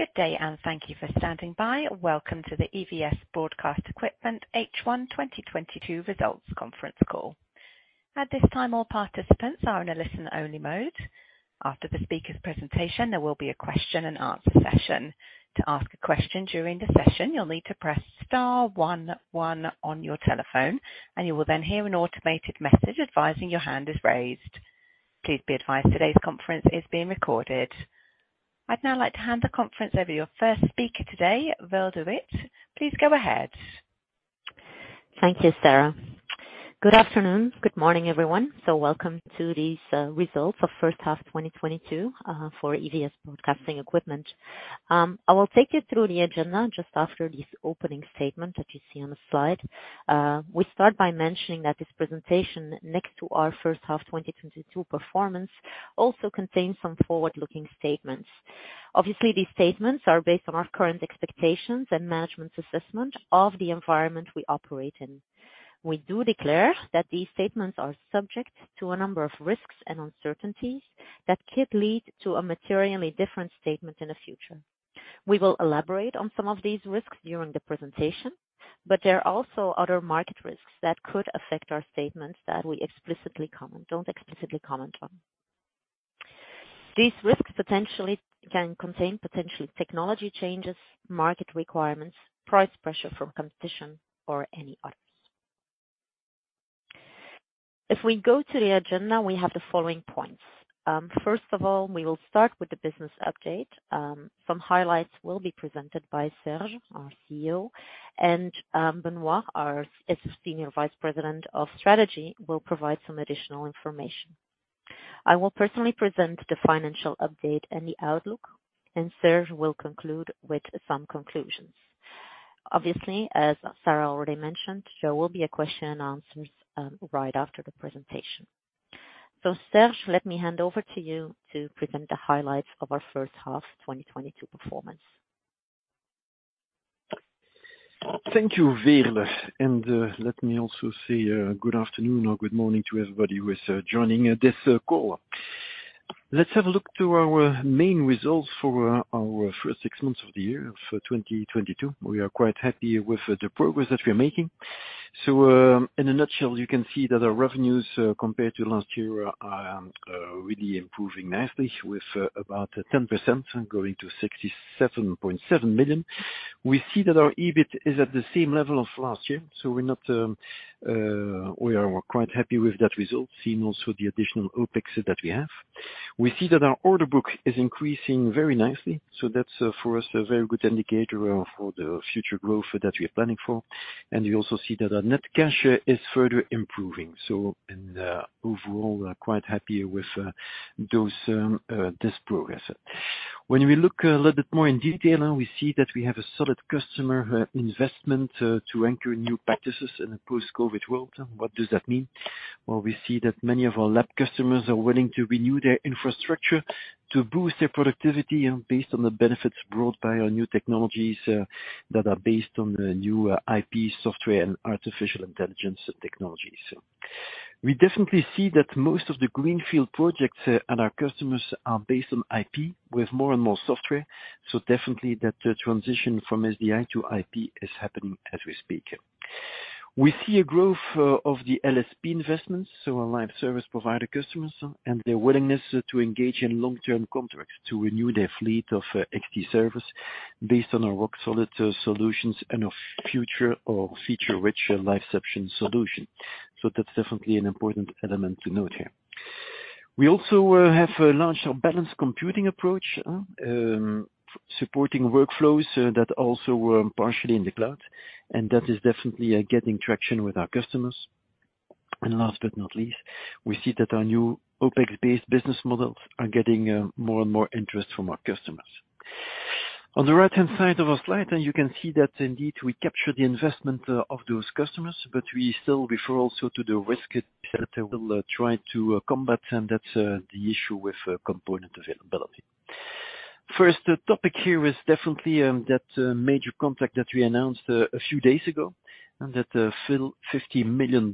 Good day, and thank you for standing by. Welcome to the EVS Broadcast Equipment H1 2022 Results Conference Call. At this time, all participants are in a listen-only mode. After the speaker's presentation, there will be a question-and-answer session. To ask a question during the session, you'll need to press star one one on your telephone, and you will then hear an automated message advising your hand is raised. Please be advised today's conference is being recorded. I'd now like to hand the conference over to your first speaker today, Veerle De Wit. Please go ahead. Thank you, Sarah. Good afternoon, good morning, everyone. Welcome to these results for first half 2022 for EVS Broadcast Equipment. I will take you through the agenda just after this opening statement that you see on the slide. We start by mentioning that this presentation next to our first half 2022 performance also contains some forward-looking statements. Obviously, these statements are based on our current expectations and management's assessment of the environment we operate in. We do declare that these statements are subject to a number of risks and uncertainties that could lead to a materially different statement in the future. We will elaborate on some of these risks during the presentation, but there are also other market risks that could affect our statements that we don't explicitly comment on. These risks potentially can contain potential technology changes, market requirements, price pressure from competition or any others. If we go to the agenda, we have the following points. First of all, we will start with the business update. Some highlights will be presented by Serge, our CEO, and, Benoît, our Senior Vice President of Strategy, will provide some additional information. I will personally present the financial update and the outlook, and Serge will conclude with some conclusions. Obviously, as Sarah already mentioned, there will be a question and answers, right after the presentation. Serge, let me hand over to you to present the highlights of our first half 2022 performance. Thank you, Veerle. Let me also say good afternoon or good morning to everybody who is joining this call. Let's have a look at our main results for our first six months of the year of 2022. We are quite happy with the progress that we are making. In a nutshell, you can see that our revenues compared to last year are really improving nicely with about 10% going to 67.7 million. We see that our EBIT is at the same level of last year. We are quite happy with that result, seeing also the additional OpEx that we have. We see that our order book is increasing very nicely. That's for us a very good indicator for the future growth that we are planning for. We also see that our net cash is further improving. Overall, we're quite happy with those this progress. When we look a little bit more in detail, we see that we have a solid customer investment to anchor new practices in a post-COVID world. What does that mean? Well, we see that many of our lab customers are willing to renew their infrastructure to boost their productivity and based on the benefits brought by our new technologies that are based on the new IP software and artificial intelligence technologies. We definitely see that most of the greenfield projects at our customers are based on IP with more and more software. Definitely that transition from SDI to IP is happening as we speak. We see a growth of the LSP investments, so our live service provider customers, and their willingness to engage in long-term contracts to renew their fleet of XT servers based on our rock-solid solutions and our future-proof or feature-rich LiveCeption solution. That's definitely an important element to note here. We also have launched our Balanced Computing approach, supporting workflows that also were partially in the cloud, and that is definitely getting traction with our customers. Last but not least, we see that our new OpEx-based business models are getting more and more interest from our customers. On the right-hand side of our slide, and you can see that indeed we capture the investment of those customers, but we still refer also to the risk that we'll try to combat, and that's the issue with component availability. First, the topic here is definitely that major contract that we announced a few days ago, and that $50 million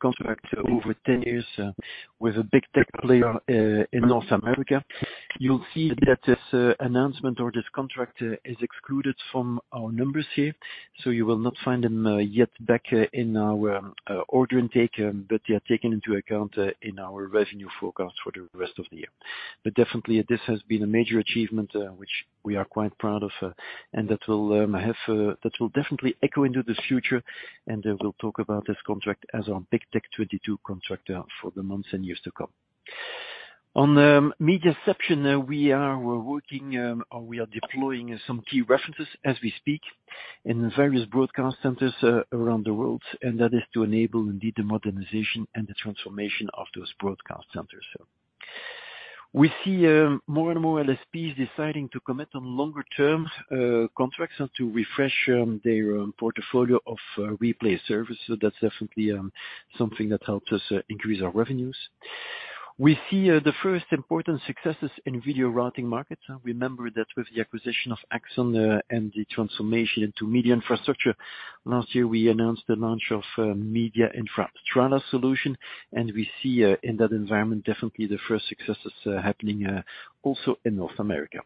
contract over 10 years with a big tech player in North America. You'll see that this announcement or this contract is excluded from our numbers here, so you will not find them yet back in our order intake, but they are taken into account in our revenue forecast for the rest of the year. Definitely this has been a major achievement which we are quite proud of, and that will definitely echo into the future. We'll talk about this contract as our Big Tech 2022 contract for the months and years to come. On MediaCeption, we are deploying some key references as we speak in various broadcast centers around the world, and that is to enable indeed the modernization and the transformation of those broadcast centers. We see more and more LSPs deciding to commit to longer-term contracts to refresh their portfolio of replay servers. That's definitely something that helps us increase our revenues. We see the first important successes in video routing markets. Remember that with the acquisition of Axon, and the transformation into media infrastructure, last year we announced the launch of a MediaInfra Strada solution, and we see, in that environment, definitely the first successes happening, also in North America.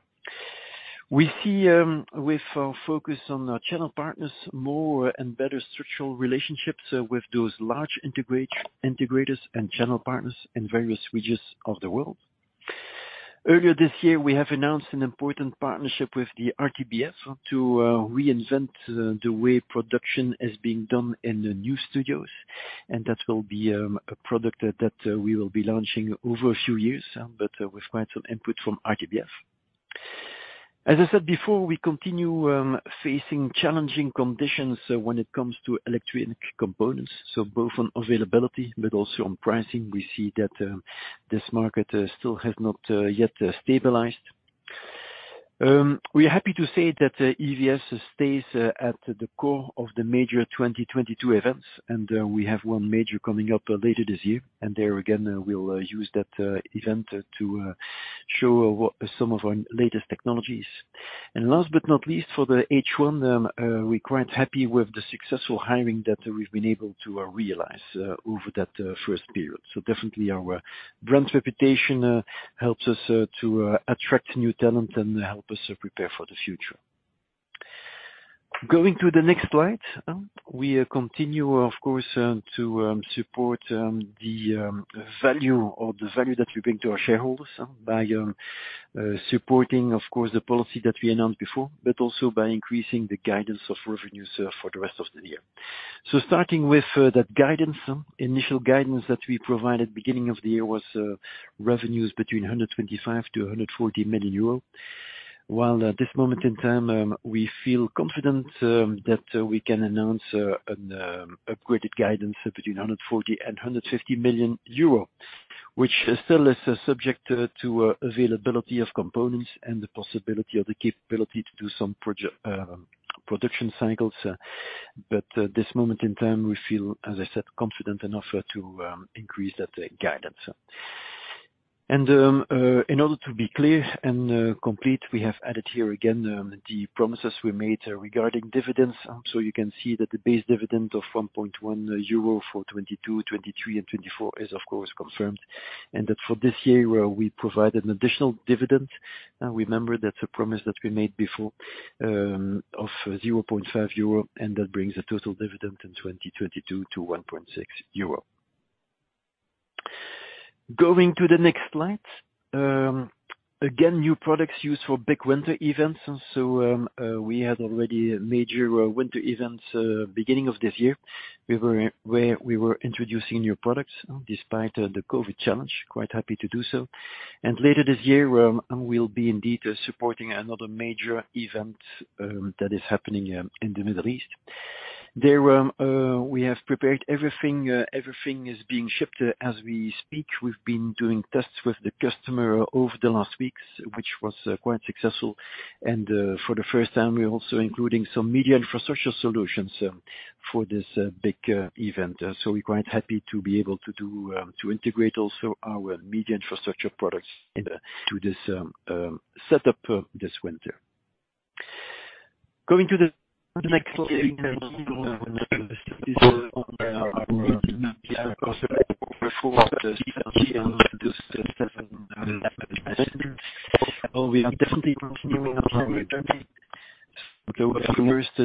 We see, with our focus on our channel partners more and better structural relationships with those large integrators and channel partners in various regions of the world. Earlier this year, we have announced an important partnership with the RTBF to, reinvent the way production is being done in the new studios, and that will be, a product that we will be launching over a few years, but with quite some input from RTBF. As I said before, we continue, facing challenging conditions when it comes to electronic components. Both on availability but also on pricing. We see that this market still has not yet stabilized. We are happy to say that EVS stays at the core of the major 2022 events, and we have one major coming up later this year. There again, we'll use that event to show what some of our latest technologies. Last but not least, for the H1, we're quite happy with the successful hiring that we've been able to realize over that first period. Definitely our brand reputation helps us to attract new talent and help us prepare for the future. Going to the next slide. We continue, of course, to support the value that we bring to our shareholders by supporting, of course, the policy that we announced before, but also by increasing the guidance of revenues for the rest of the year. Starting with that guidance. Initial guidance that we provided beginning of the year was revenues between 125 million-140 million euro. While at this moment in time, we feel confident that we can announce an upgraded guidance between 140 million euro and 150 million euro, which still is subject to availability of components and the possibility or the capability to do some production cycles. At this moment in time, we feel, as I said, confident enough to increase that guidance. In order to be clear and complete, we have added here again the promises we made regarding dividends. You can see that the base dividend of 1.1 euro for 2022, 2023 and 2024 is of course confirmed, and that for this year, we provide an additional dividend. Remember that's a promise that we made before of 0.5 euro, and that brings the total dividend in 2022 to 1.6 euro. Going to the next slide. Again, new products used for big winter events. We had already a major winter event beginning of this year, we were introducing new products despite the COVID challenge. Quite happy to do so. Later this year, we'll be indeed supporting another major event that is happening in the Middle East. We have prepared everything. Everything is being shipped as we speak. We've been doing tests with the customer over the last weeks, which was quite successful. For the first time, we're also including some media infrastructure solutions for this big event. We're quite happy to be able to integrate also our media infrastructure products into this setup this winter. Going to the next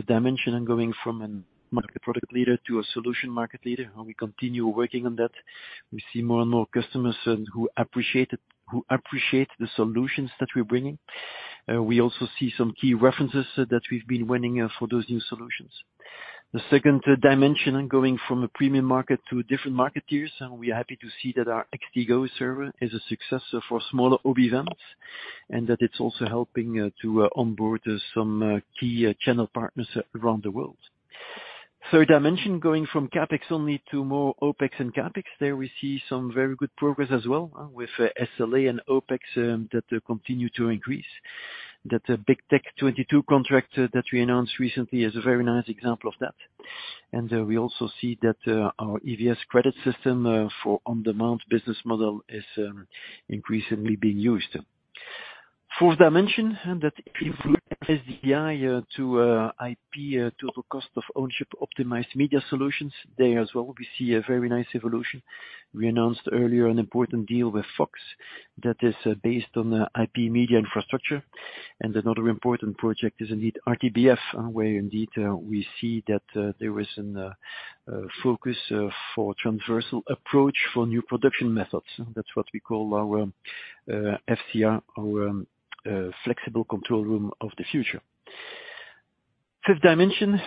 dimension and going from a market product leader to a solution market leader. We continue working on that. We see more and more customers who appreciate the solutions that we're bringing. We also see some key references that we've been winning for those new solutions. The second dimension, going from a premium market to different market tiers, and we are happy to see that our XT-GO server is a success for smaller OB events, and that it's also helping to onboard some key channel partners around the world. Third dimension, going from CapEx only to more OpEx and CapEx. There we see some very good progress as well, with SLA and OpEx that continue to increase. That Big Tech 2022 contract that we announced recently is a very nice example of that. We also see that our EVS credit system for on-demand business model is increasingly being used. Fourth dimension, and that is the AI to IP total cost of ownership optimized media solutions. There as well, we see a very nice evolution. We announced earlier an important deal with Fox that is based on IP media infrastructure. Another important project is indeed RTBF, where indeed we see that there is a focus for transversal approach for new production methods. That's what we call our FCR, our flexible control room of the future. Fifth dimension,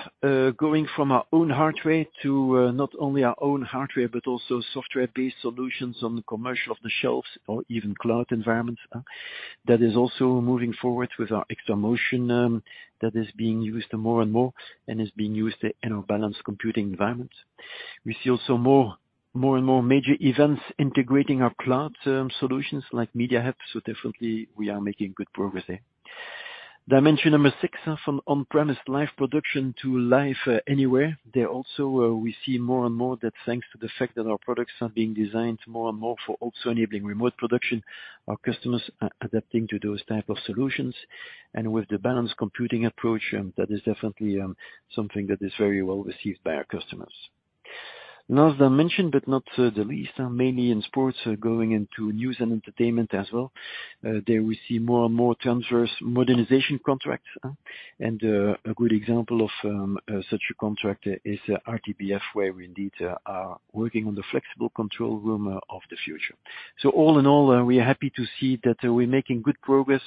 going from our own hardware to not only our own hardware but also software-based solutions on the commercial off-the-shelf or even cloud environments. That is also moving forward with our XtraMotion, that is being used more and more and is being used in our Balanced Computing environment. We see also more and more major events integrating our cloud-based solutions like MediaHub. Definitely we are making good progress there. Dimension number six, from on-premise live production to live anywhere. There also we see more and more that thanks to the fact that our products are being designed more and more for also enabling remote production, our customers adapting to those types of solutions. With the Balanced Computing approach, that is definitely something that is very well received by our customers. Last but not least, mainly in sports, going into news and entertainment as well, there we see more and more transformative modernization contracts. A good example of such a contract is RTBF, where we indeed are working on the flexible control room of the future. All in all, we are happy to see that we're making good progress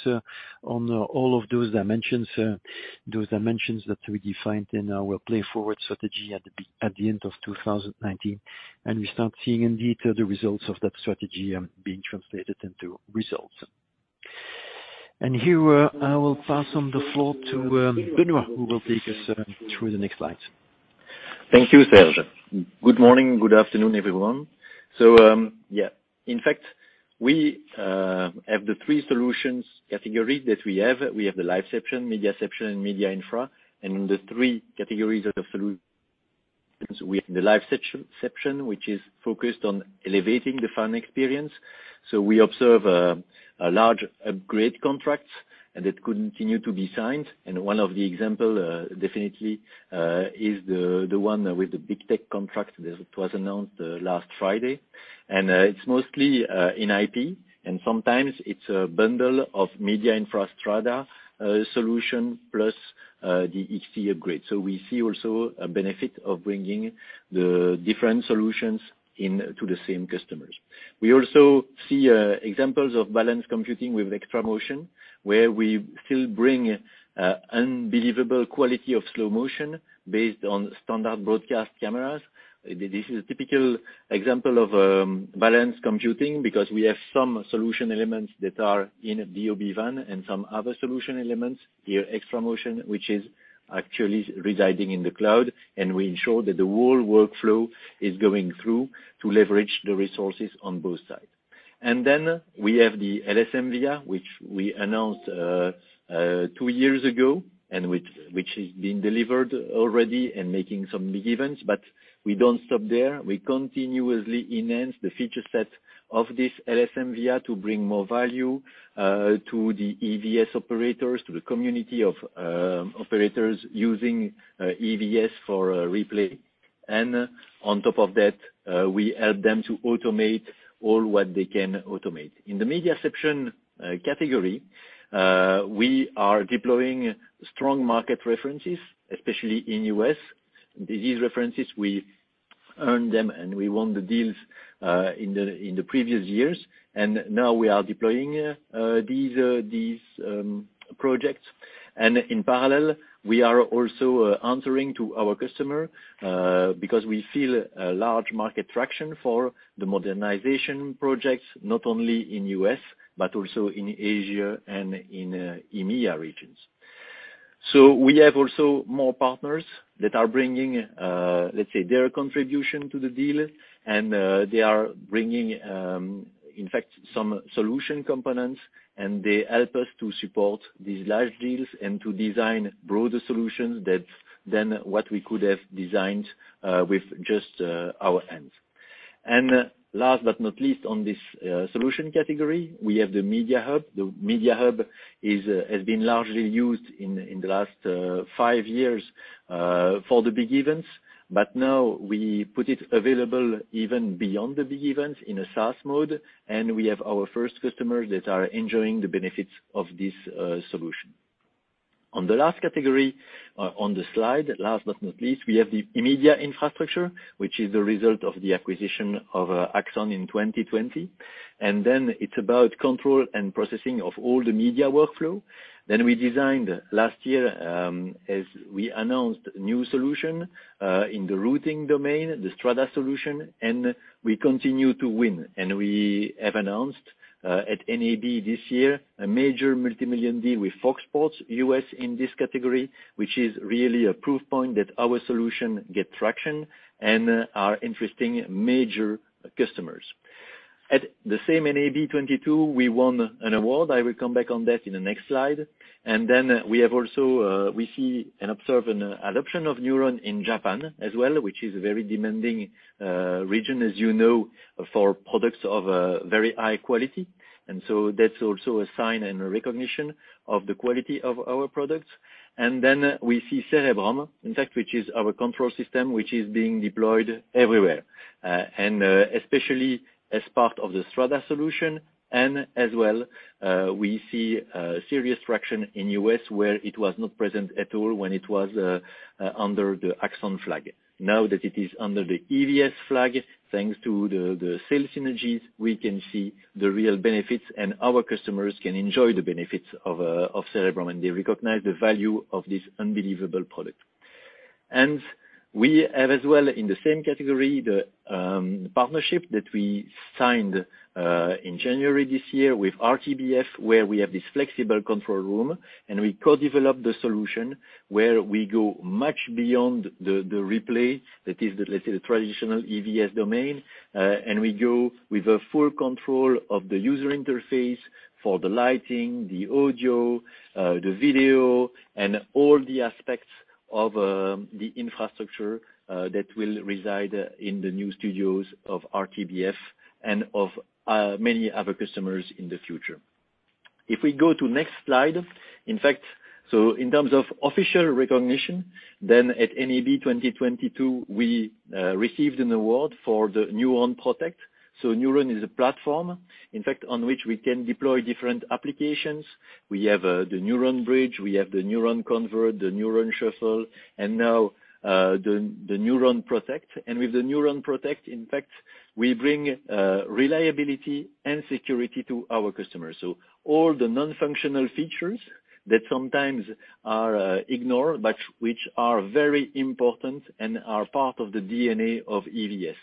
on all of those dimensions. Those dimensions that we defined in our PLAYForward strategy at the end of 2019. We start seeing indeed the results of that strategy, being translated into results. Here, I will pass on the floor to Benoît, who will take us through the next slide. Thank you, Serge. Good morning. Good afternoon, everyone. We have the three solutions categories that we have. We have the LiveCeption, MediaCeption, and MediaInfra. In the three categories of the solutions, we have the LiveCeption, which is focused on elevating the fan experience. We observe large upgrade contracts, and they continue to be signed. One of the examples definitely is the one with the big tech contract that was announced last Friday. It's mostly in IP, and sometimes it's a bundle of media infrastructure solution plus the XT upgrade. We see also a benefit of bringing the different solutions into the same customers. We also see examples of Balanced Computing with XtraMotion, where we still bring unbelievable quality of slow motion based on standard broadcast cameras. This is a typical example of Balanced Computing because we have some solution elements that are in the OB van and some other solution elements, here XtraMotion, which is actually residing in the cloud. We ensure that the whole workflow is going through to leverage the resources on both sides. We have the LSM-VIA, which we announced two years ago, and which is being delivered already and making some big events. We don't stop there. We continuously enhance the feature set of this LSM-VIA to bring more value to the EVS operators, to the community of operators using EVS for replay. On top of that, we help them to automate all what they can automate. In the MediaCeption category, we are deploying strong market references, especially in U.S. These references we earn them, and we won the deals in the previous years, and now we are deploying these projects. In parallel, we are also answering to our customer because we feel a large market traction for the modernization projects, not only in U.S., but also in Asia and in EMEA regions. We have also more partners that are bringing, let's say, their contribution to the deal. They are bringing, in fact, some solution components, and they help us to support these large deals and to design broader solutions than what we could have designed with just our hands. Last but not least, on this solution category, we have the MediaHub. The MediaHub has been largely used in the last five years for the big events. Now we put it available even beyond the big events in a SaaS mode. We have our first customers that are enjoying the benefits of this solution. On the last category on the slide, last but not least, we have the MediaInfra, which is the result of the acquisition of Axon in 2020. It's about control and processing of all the media workflow. We designed last year, as we announced new solution in the routing domain, the MediaInfra Strada solution, and we continue to win. We have announced at NAB this year a major multimillion deal with Fox Sports U.S. in this category, which is really a proof point that our solution get traction and are interesting major customers. At the same NAB 2022, we won an award. I will come back on that in the next slide. We see and observe an adoption of Neuron in Japan as well, which is a very demanding region, as you know, for products of very high quality. That's also a sign and a recognition of the quality of our products. We see Cerebrum, in fact, which is our control system, which is being deployed everywhere and especially as part of the Strada solution. We see a serious traction in U.S., where it was not present at all when it was under the Axon flag. Now that it is under the EVS flag, thanks to the sales synergies, we can see the real benefits, and our customers can enjoy the benefits of Cerebrum, and they recognize the value of this unbelievable product. We have as well, in the same category, the partnership that we signed in January this year with RTBF, where we have this flexible control room, and we co-develop the solution, where we go much beyond the replay that is, let's say, the traditional EVS domain. We go with a full control of the user interface for the lighting, the audio, the video, and all the aspects of the infrastructure that will reside in the new studios of RTBF and of many other customers in the future. If we go to next slide. In fact, in terms of official recognition, then at NAB 2022, we received an award for the Neuron Protect. Neuron is a platform, in fact, on which we can deploy different applications. We have the Neuron Bridge, we have the Neuron Convert, the Neuron Shuffle, and now the Neuron Protect. With the Neuron Protect, in fact, we bring reliability and security to our customers. All the non-functional features that sometimes are ignored, but which are very important and are part of the DNA of EVS.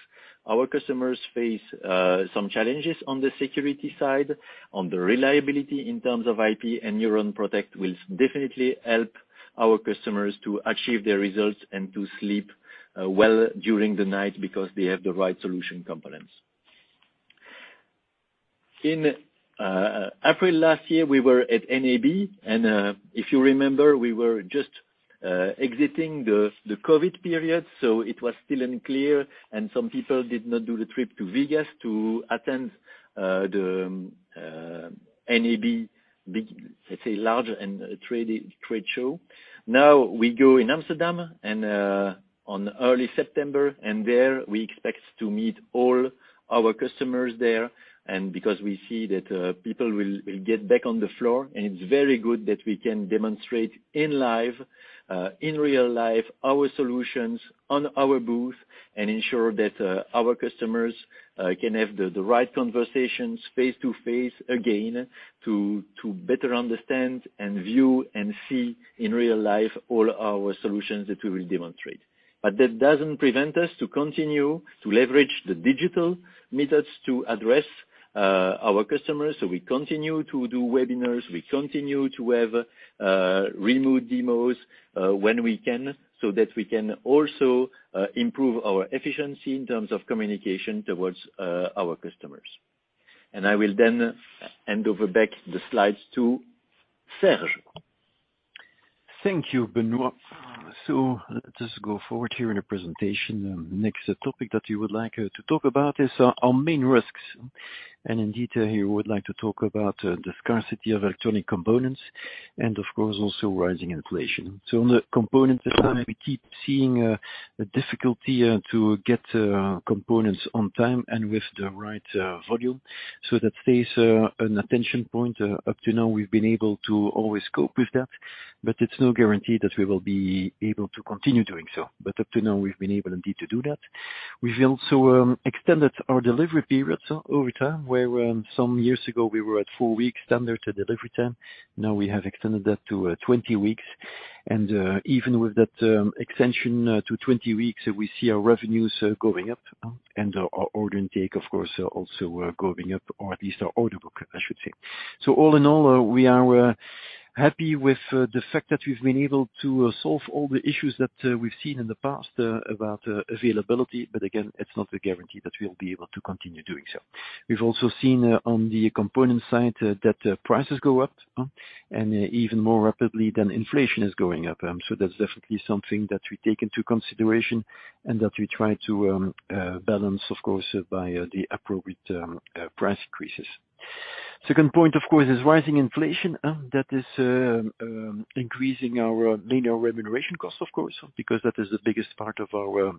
Our customers face some challenges on the security side, on the reliability in terms of IP, and Neuron Protect will definitely help our customers to achieve their results and to sleep well during the night because they have the right solution components. In April last year, we were at NAB, and if you remember, we were just exiting the COVID period, so it was still unclear, and some people did not do the trip to Vegas to attend the NAB big, let's say large trade show. Now we go to Amsterdam in early September, and there we expect to meet all our customers there. Because we see that people will get back on the floor, and it's very good that we can demonstrate in live, in real life, our solutions on our booth and ensure that our customers can have the right conversations face-to-face again to better understand and view and see in real life all our solutions that we will demonstrate. That doesn't prevent us to continue to leverage the digital methods to address our customers, so we continue to do webinars, we continue to have remote demos when we can, so that we can also improve our efficiency in terms of communication towards our customers. I will then hand over back the slides to Serge. Thank you, Benoît. Let's just go forward here in the presentation. Next topic that we would like to talk about is our main risks. In detail here, we would like to talk about the scarcity of electronic components and of course, also rising inflation. On the component design, we keep seeing the difficulty to get components on time and with the right volume. That stays an attention point. Up to now, we've been able to always cope with that, but it's no guarantee that we will be able to continue doing so. Up to now, we've been able indeed to do that. We've also extended our delivery periods over time, where some years ago, we were at four weeks standard delivery time. Now we have extended that to 20 weeks. Even with that extension to 20 weeks, we see our revenues going up and our order intake, of course, also going up, or at least our order book, I should say. All in all, we are happy with the fact that we've been able to solve all the issues that we've seen in the past about availability, but again, it's not a guarantee that we'll be able to continue doing so. We've also seen on the component side that prices go up and even more rapidly than inflation is going up. That's definitely something that we take into consideration and that we try to balance, of course, by the appropriate price increases. Second point, of course, is rising inflation that is increasing our personnel remuneration costs, of course, because that is the biggest part of our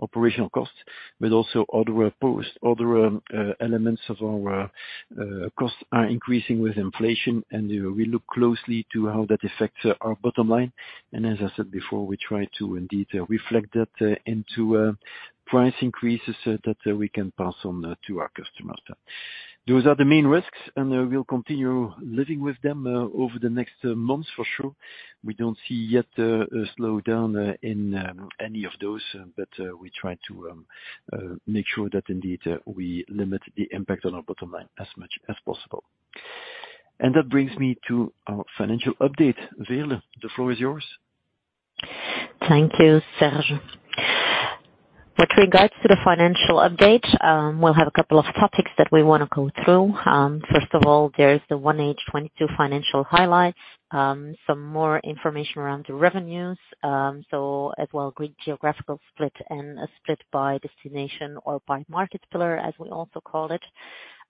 operational costs, but also other elements of our costs are increasing with inflation, and we look closely to how that affects our bottom line. As I said before, we try to indeed reflect that into price increases that we can pass on to our customers. Those are the main risks and we'll continue living with them over the next months for sure. We don't see yet a slowdown in any of those, but we try to make sure that indeed we limit the impact on our bottom line as much as possible. That brings me to our financial update. Veerle, the floor is yours. Thank you, Serge. With regards to the financial update, we'll have a couple of topics that we wanna go through. First of all, there is the 1H 2022 financial highlights, some more information around the revenues, so as well key geographical split and a split by destination or by market pillar, as we also call it.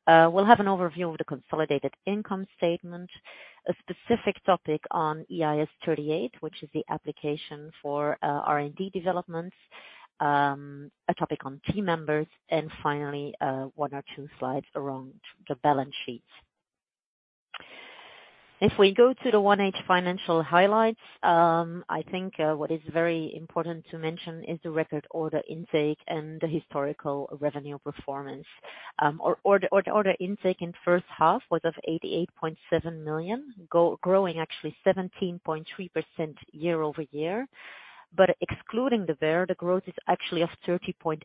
We'll have an overview of the consolidated income statement, a specific topic on IAS 38, which is the application for R&D developments, a topic on team members, and finally, one or two slides around the balance sheets. If we go to the 1H financial highlights, I think what is very important to mention is the record order intake and the historical revenue performance. Order intake in first half was 88.7 million, growing actually 17.3% year-over-year. Excluding the BER, the growth is actually 30.8%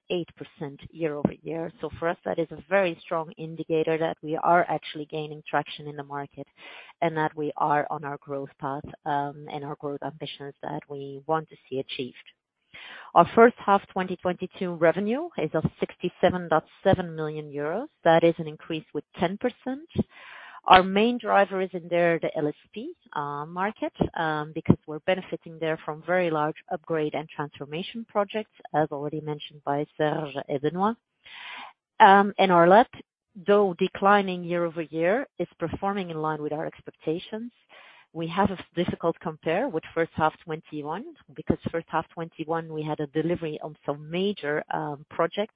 year-over-year. For us, that is a very strong indicator that we are actually gaining traction in the market and that we are on our growth path, and our growth ambitions that we want to see achieved. Our first half 2022 revenue is 67.7 million euros. That is an increase with 10%. Our main driver is in there, the LSP market, because we're benefiting there from very large upgrade and transformation projects, as already mentioned by Serge and Benoît. Our LAB, though declining year-over-year, is performing in line with our expectations. We have a difficult compare with first half 2021 because first half 2021, we had a delivery on several major projects.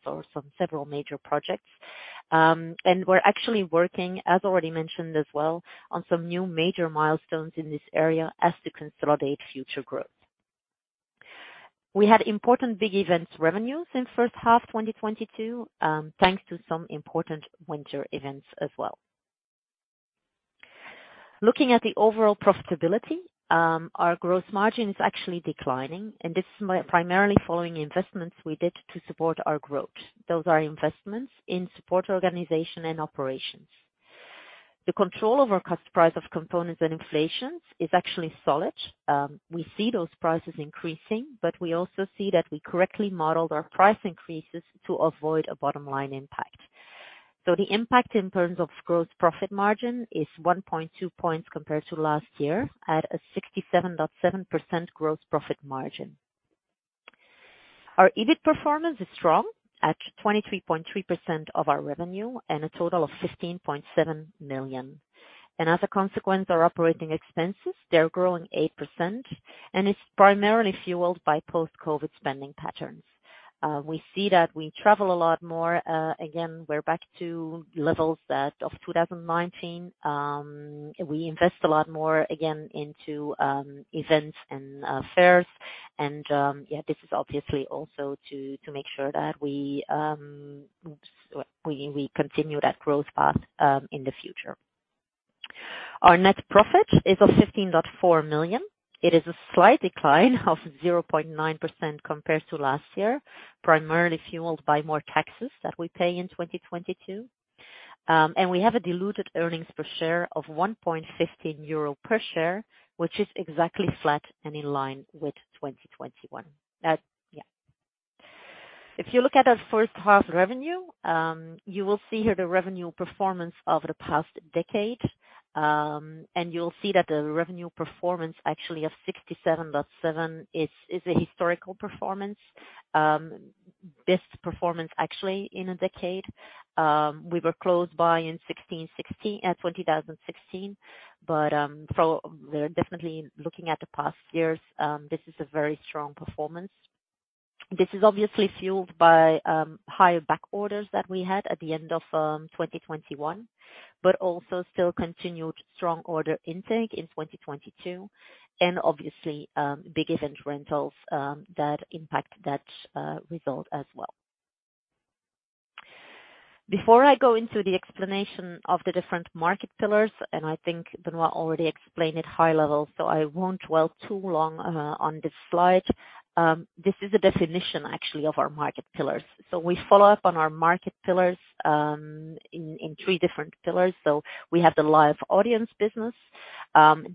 We're actually working, as already mentioned as well, on some new major milestones in this area as to consolidate future growth. We had important Big Event Rental revenue since first half 2022, thanks to some important winter events as well. Looking at the overall profitability, our gross margin is actually declining, and this is primarily following investments we did to support our growth. Those are investments in support organization and operations. The control over cost price of components and inflation is actually solid. We see those prices increasing, but we also see that we correctly modeled our price increases to avoid a bottom-line impact. The impact in terms of gross profit margin is 1.2 points compared to last year at a 67.7% gross profit margin. Our EBIT performance is strong at 23.3% of our revenue and a total of 15.7 million. As a consequence, our operating expenses, they're growing 8%, and it's primarily fueled by post-COVID spending patterns. We see that we travel a lot more. Again, we're back to levels that of 2019. We invest a lot more again into events and fairs, and yeah, this is obviously also to make sure that we continue that growth path in the future. Our net profit is 15.4 million. It is a slight decline of 0.9% compared to last year, primarily fueled by more taxes that we pay in 2022. We have a diluted earnings per share of 1.15 euro per share, which is exactly flat and in line with 2021. If you look at our first half revenue, you will see here the revenue performance over the past decade. You'll see that the revenue performance actually of 67.7 million is a historical performance. Best performance actually in a decade. We were close by in 2016. We're definitely looking at the past years, this is a very strong performance. This is obviously fueled by higher back orders that we had at the end of 2021, but also still continued strong order intake in 2022, and obviously, big event rentals that impact that result as well. Before I go into the explanation of the different market pillars, and I think Benoît already explained it high level, so I won't dwell too long on this slide. This is a definition actually of our market pillars. We follow up on our market pillars in three different pillars. We have the Live Audience Business.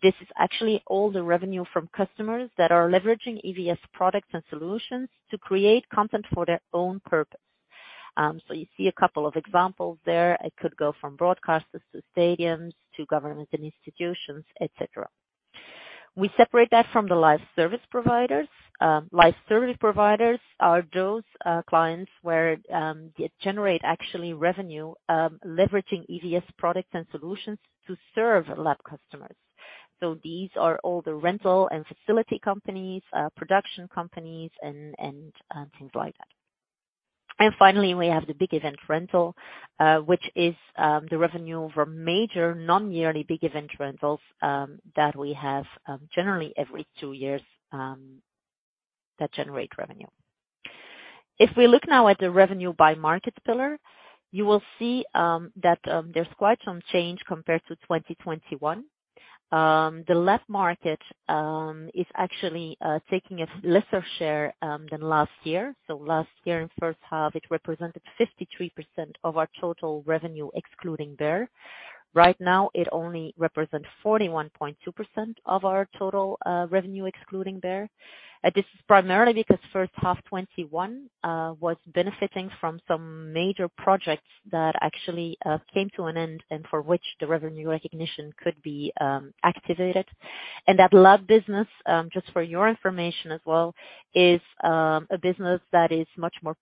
This is actually all the revenue from customers that are leveraging EVS products and solutions to create content for their own purpose. You see a couple of examples there. It could go from broadcasters to stadiums to government and institutions, et cetera. We separate that from the live service providers. Live Service Providers are those clients where they generate actually revenue leveraging EVS products and solutions to serve LAB customers. These are all the rental and facility companies, production companies and things like that. Finally, we have the Big Event Rental, which is the revenue from major non-yearly Big Event Rentals that we have generally every two years that generate revenue. If we look now at the revenue by market pillar, you will see that there's quite some change compared to 2021. The LAB market is actually taking a lesser share than last year. Last year in first half, it represented 53% of our total revenue excluding BER. Right now, it only represents 41.2% of our total revenue excluding BER. This is primarily because first half 2021 was benefiting from some major projects that actually came to an end and for which the revenue recognition could be activated. That LAB business, just for your information as well, is a business that is much more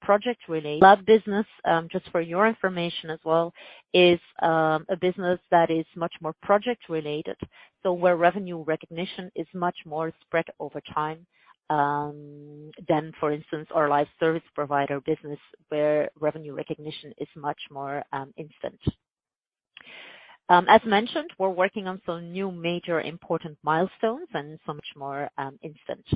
project-related, so where revenue recognition is much more spread over time than, for instance, our live service provider business, where revenue recognition is much more instant. As mentioned, we're working on some new major important milestones and so much more instant.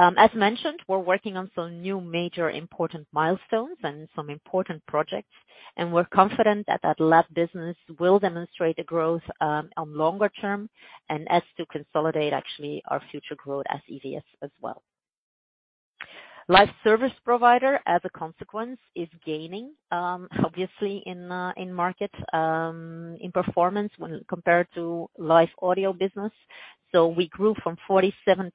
As mentioned, we're working on some new major important milestones and some important projects, and we're confident that LAB business will demonstrate a growth on longer term and to consolidate actually our future growth as EVS as well. Live Service Provider, as a consequence, is gaining obviously in market performance when compared to Live Audience Business. We grew from 47%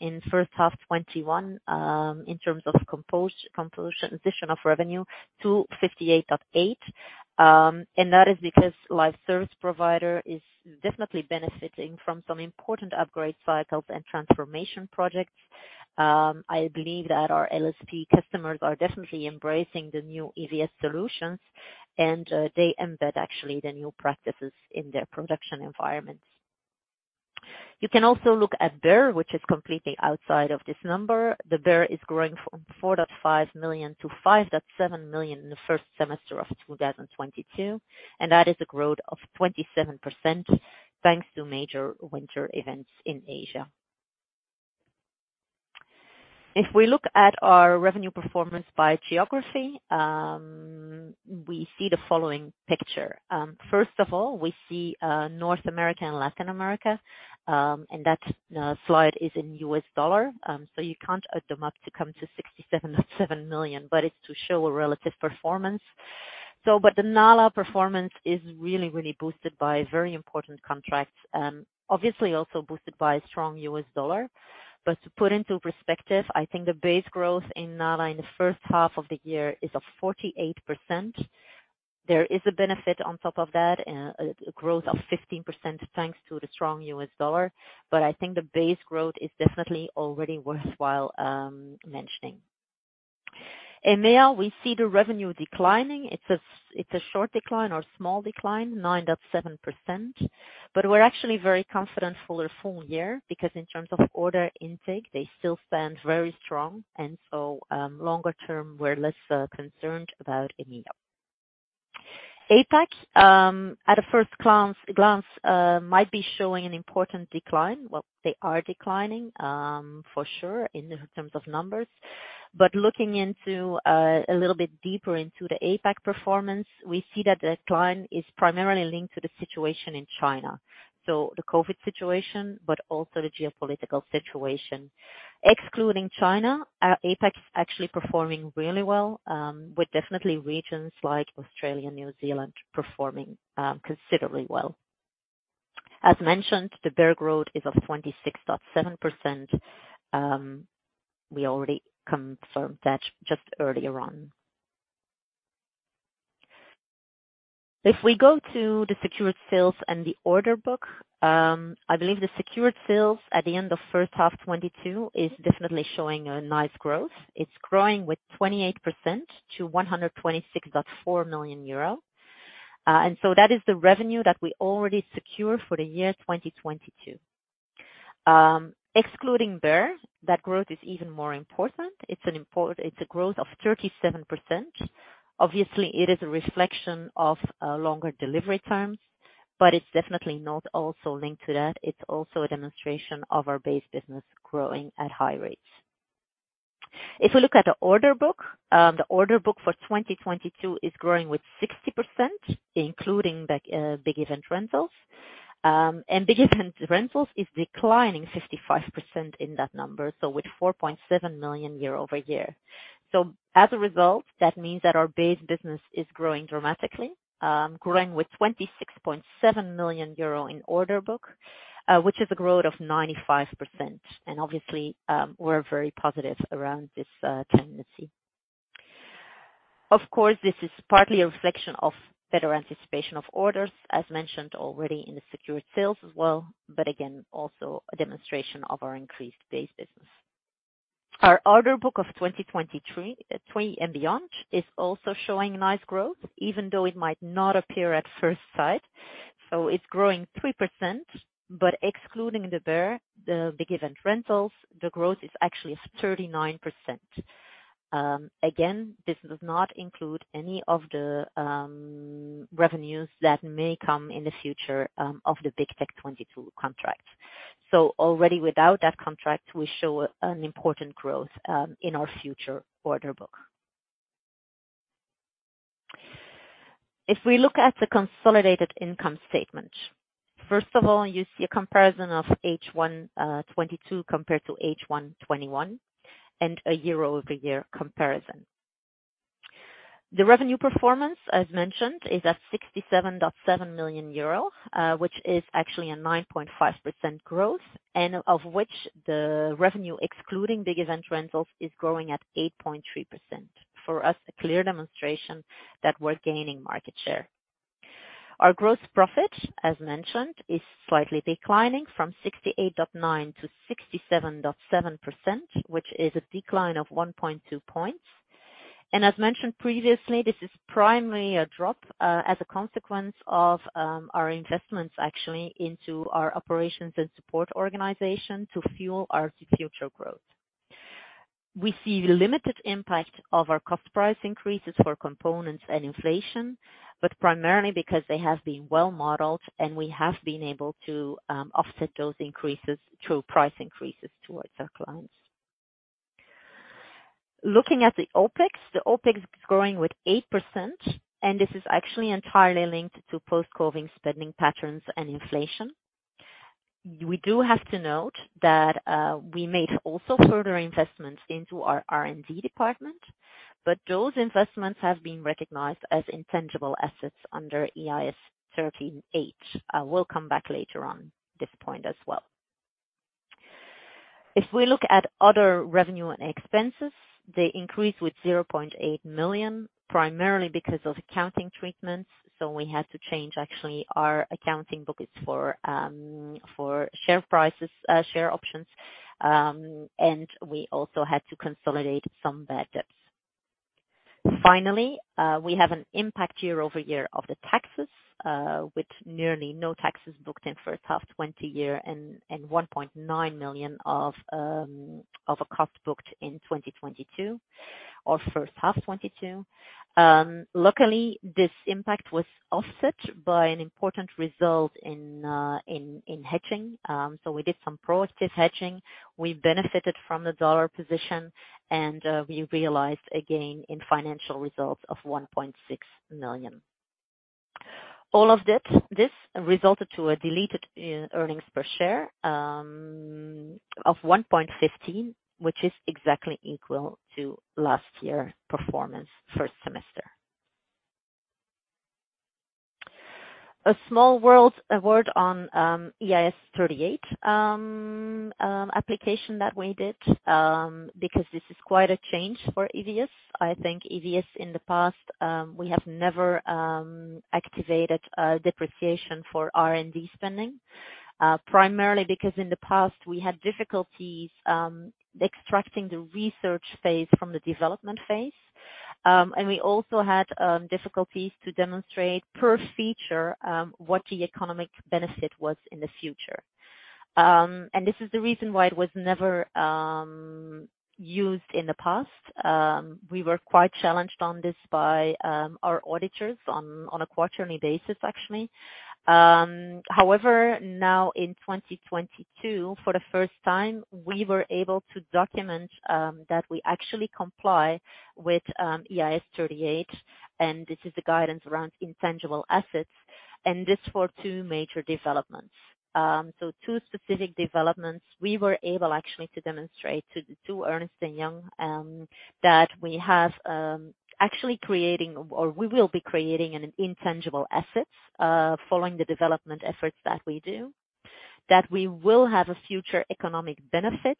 in first half 2021 in terms of composition of revenue to 58.8%. That is because Live Service Provider is definitely benefiting from some important upgrades via LSM and transformation projects. I believe that our LSP customers are definitely embracing the new EVS solutions and they embed actually the new practices in their production environments. You can also look at BER, which is completely outside of this number. The BER is growing from 4.5 million-5.7 million in the first semester of 2022, and that is a growth of 27% thanks to major winter events in Asia. If we look at our revenue performance by geography, we see the following picture. First of all, we see North America and Latin America, and that slide is in U.S. dollar, so you can't add them up to come to $67.7 million, but it's to show a relative performance. The NALA performance is really, really boosted by very important contracts, obviously also boosted by strong U.S. dollar. To put into perspective, I think the base growth in NALA in the first half of the year is of 48%. There is a benefit on top of that, a growth of 15%, thanks to the strong U.S. dollar. I think the base growth is definitely already worthwhile mentioning. In EMEA, we see the revenue declining. It's a short decline or small decline, 9.7%. We're actually very confident for a full year because in terms of order intake, they still stand very strong. Longer term, we're less concerned about EMEA. APAC, at a first glance, might be showing an important decline. Well, they are declining for sure in terms of numbers. Looking into a little bit deeper into the APAC performance, we see that decline is primarily linked to the situation in China. The COVID situation, but also the geopolitical situation. Excluding China, APAC is actually performing really well, with definitely regions like Australia and New Zealand performing, considerably well. As mentioned, the BER growth is of 26.7%. We already confirmed that just earlier on. If we go to the secured sales and the order book, I believe the secured sales at the end of first half 2022 is definitely showing a nice growth. It's growing with 28% to 126.4 million euro. That is the revenue that we already secure for the year 2022. Excluding BER, that growth is even more important. It's a growth of 37%. Obviously, it is a reflection of longer delivery terms, it's definitely not also linked to that. It's also a demonstration of our base business growing at high rates. If we look at the order book, the order book for 2022 is growing with 60%, including the Big Event Rentals. Big Event Rentals is declining 55% in that number, so with 4.7 million year-over-year. As a result, that means that our base business is growing dramatically, growing with 26.7 million euro in order book, which is a growth of 95%. Obviously, we're very positive around this tendency. Of course, this is partly a reflection of better anticipation of orders, as mentioned already in the secured sales as well, but again, also a demonstration of our increased base business. Our order book of 2023 and beyond is also showing nice growth, even though it might not appear at first sight. It's growing 3%, but excluding the BER, the big event rentals, the growth is actually 39%. Again, this does not include any of the revenues that may come in the future of the Big Tech 2022 contract. Already without that contract, we show an important growth in our future order book. If we look at the consolidated income statement, first of all, you see a comparison of H1 2022 compared to H1 2021 and a year-over-year comparison. The revenue performance, as mentioned, is at 67.7 million euro, which is actually a 9.5% growth, and of which the revenue excluding big event rentals is growing at 8.3%. For us, a clear demonstration that we're gaining market share. Our gross profit, as mentioned, is slightly declining from 68.9%-67.7%, which is a decline of 1.2 points. As mentioned previously, this is primarily a drop as a consequence of our investments actually into our operations and support organization to fuel our future growth. We see limited impact of our cost price increases for components and inflation, but primarily because they have been well modeled and we have been able to offset those increases through price increases towards our clients. Looking at the OpEx, the OpEx is growing with 8%, and this is actually entirely linked to post-COVID spending patterns and inflation. We do have to note that we made also further investments into our R&D department, but those investments have been recognized as intangible assets under IAS 38. We'll come back later on this point as well. If we look at other revenue and expenses, they increase with 0.8 million, primarily because of accounting treatments. We had to change actually our accounting buckets for share prices, share options. We also had to consolidate some bad debts. Finally, we have an impact year-over-year of the taxes, with nearly no taxes booked in first half 2020 and one point nine million of a cost booked in 2022 or first half 2022. Luckily, this impact was offset by an important result in hedging. We did some proactive hedging. We benefited from the dollar position, and we realized a gain in financial results of 1.6 million. All of this resulted in a diluted earnings per share of 1.15, which is exactly equal to last year performance first semester. A word on IAS 38 application that we did, because this is quite a change for EVS. I think EVS in the past, we have never capitalized a depreciation for R&D spending, primarily because in the past we had difficulties extracting the research phase from the development phase. We also had difficulties to demonstrate per feature what the economic benefit was in the future. This is the reason why it was never used in the past. We were quite challenged on this by our auditors on a quarterly basis, actually. However, now in 2022, for the first time, we were able to document that we actually comply with IAS 38, and this is the guidance around intangible assets, and this for two major developments. So two specific developments. We were able actually to demonstrate to Ernst & Young that we have actually creating or we will be creating an intangible asset following the development efforts that we do, that we will have a future economic benefit.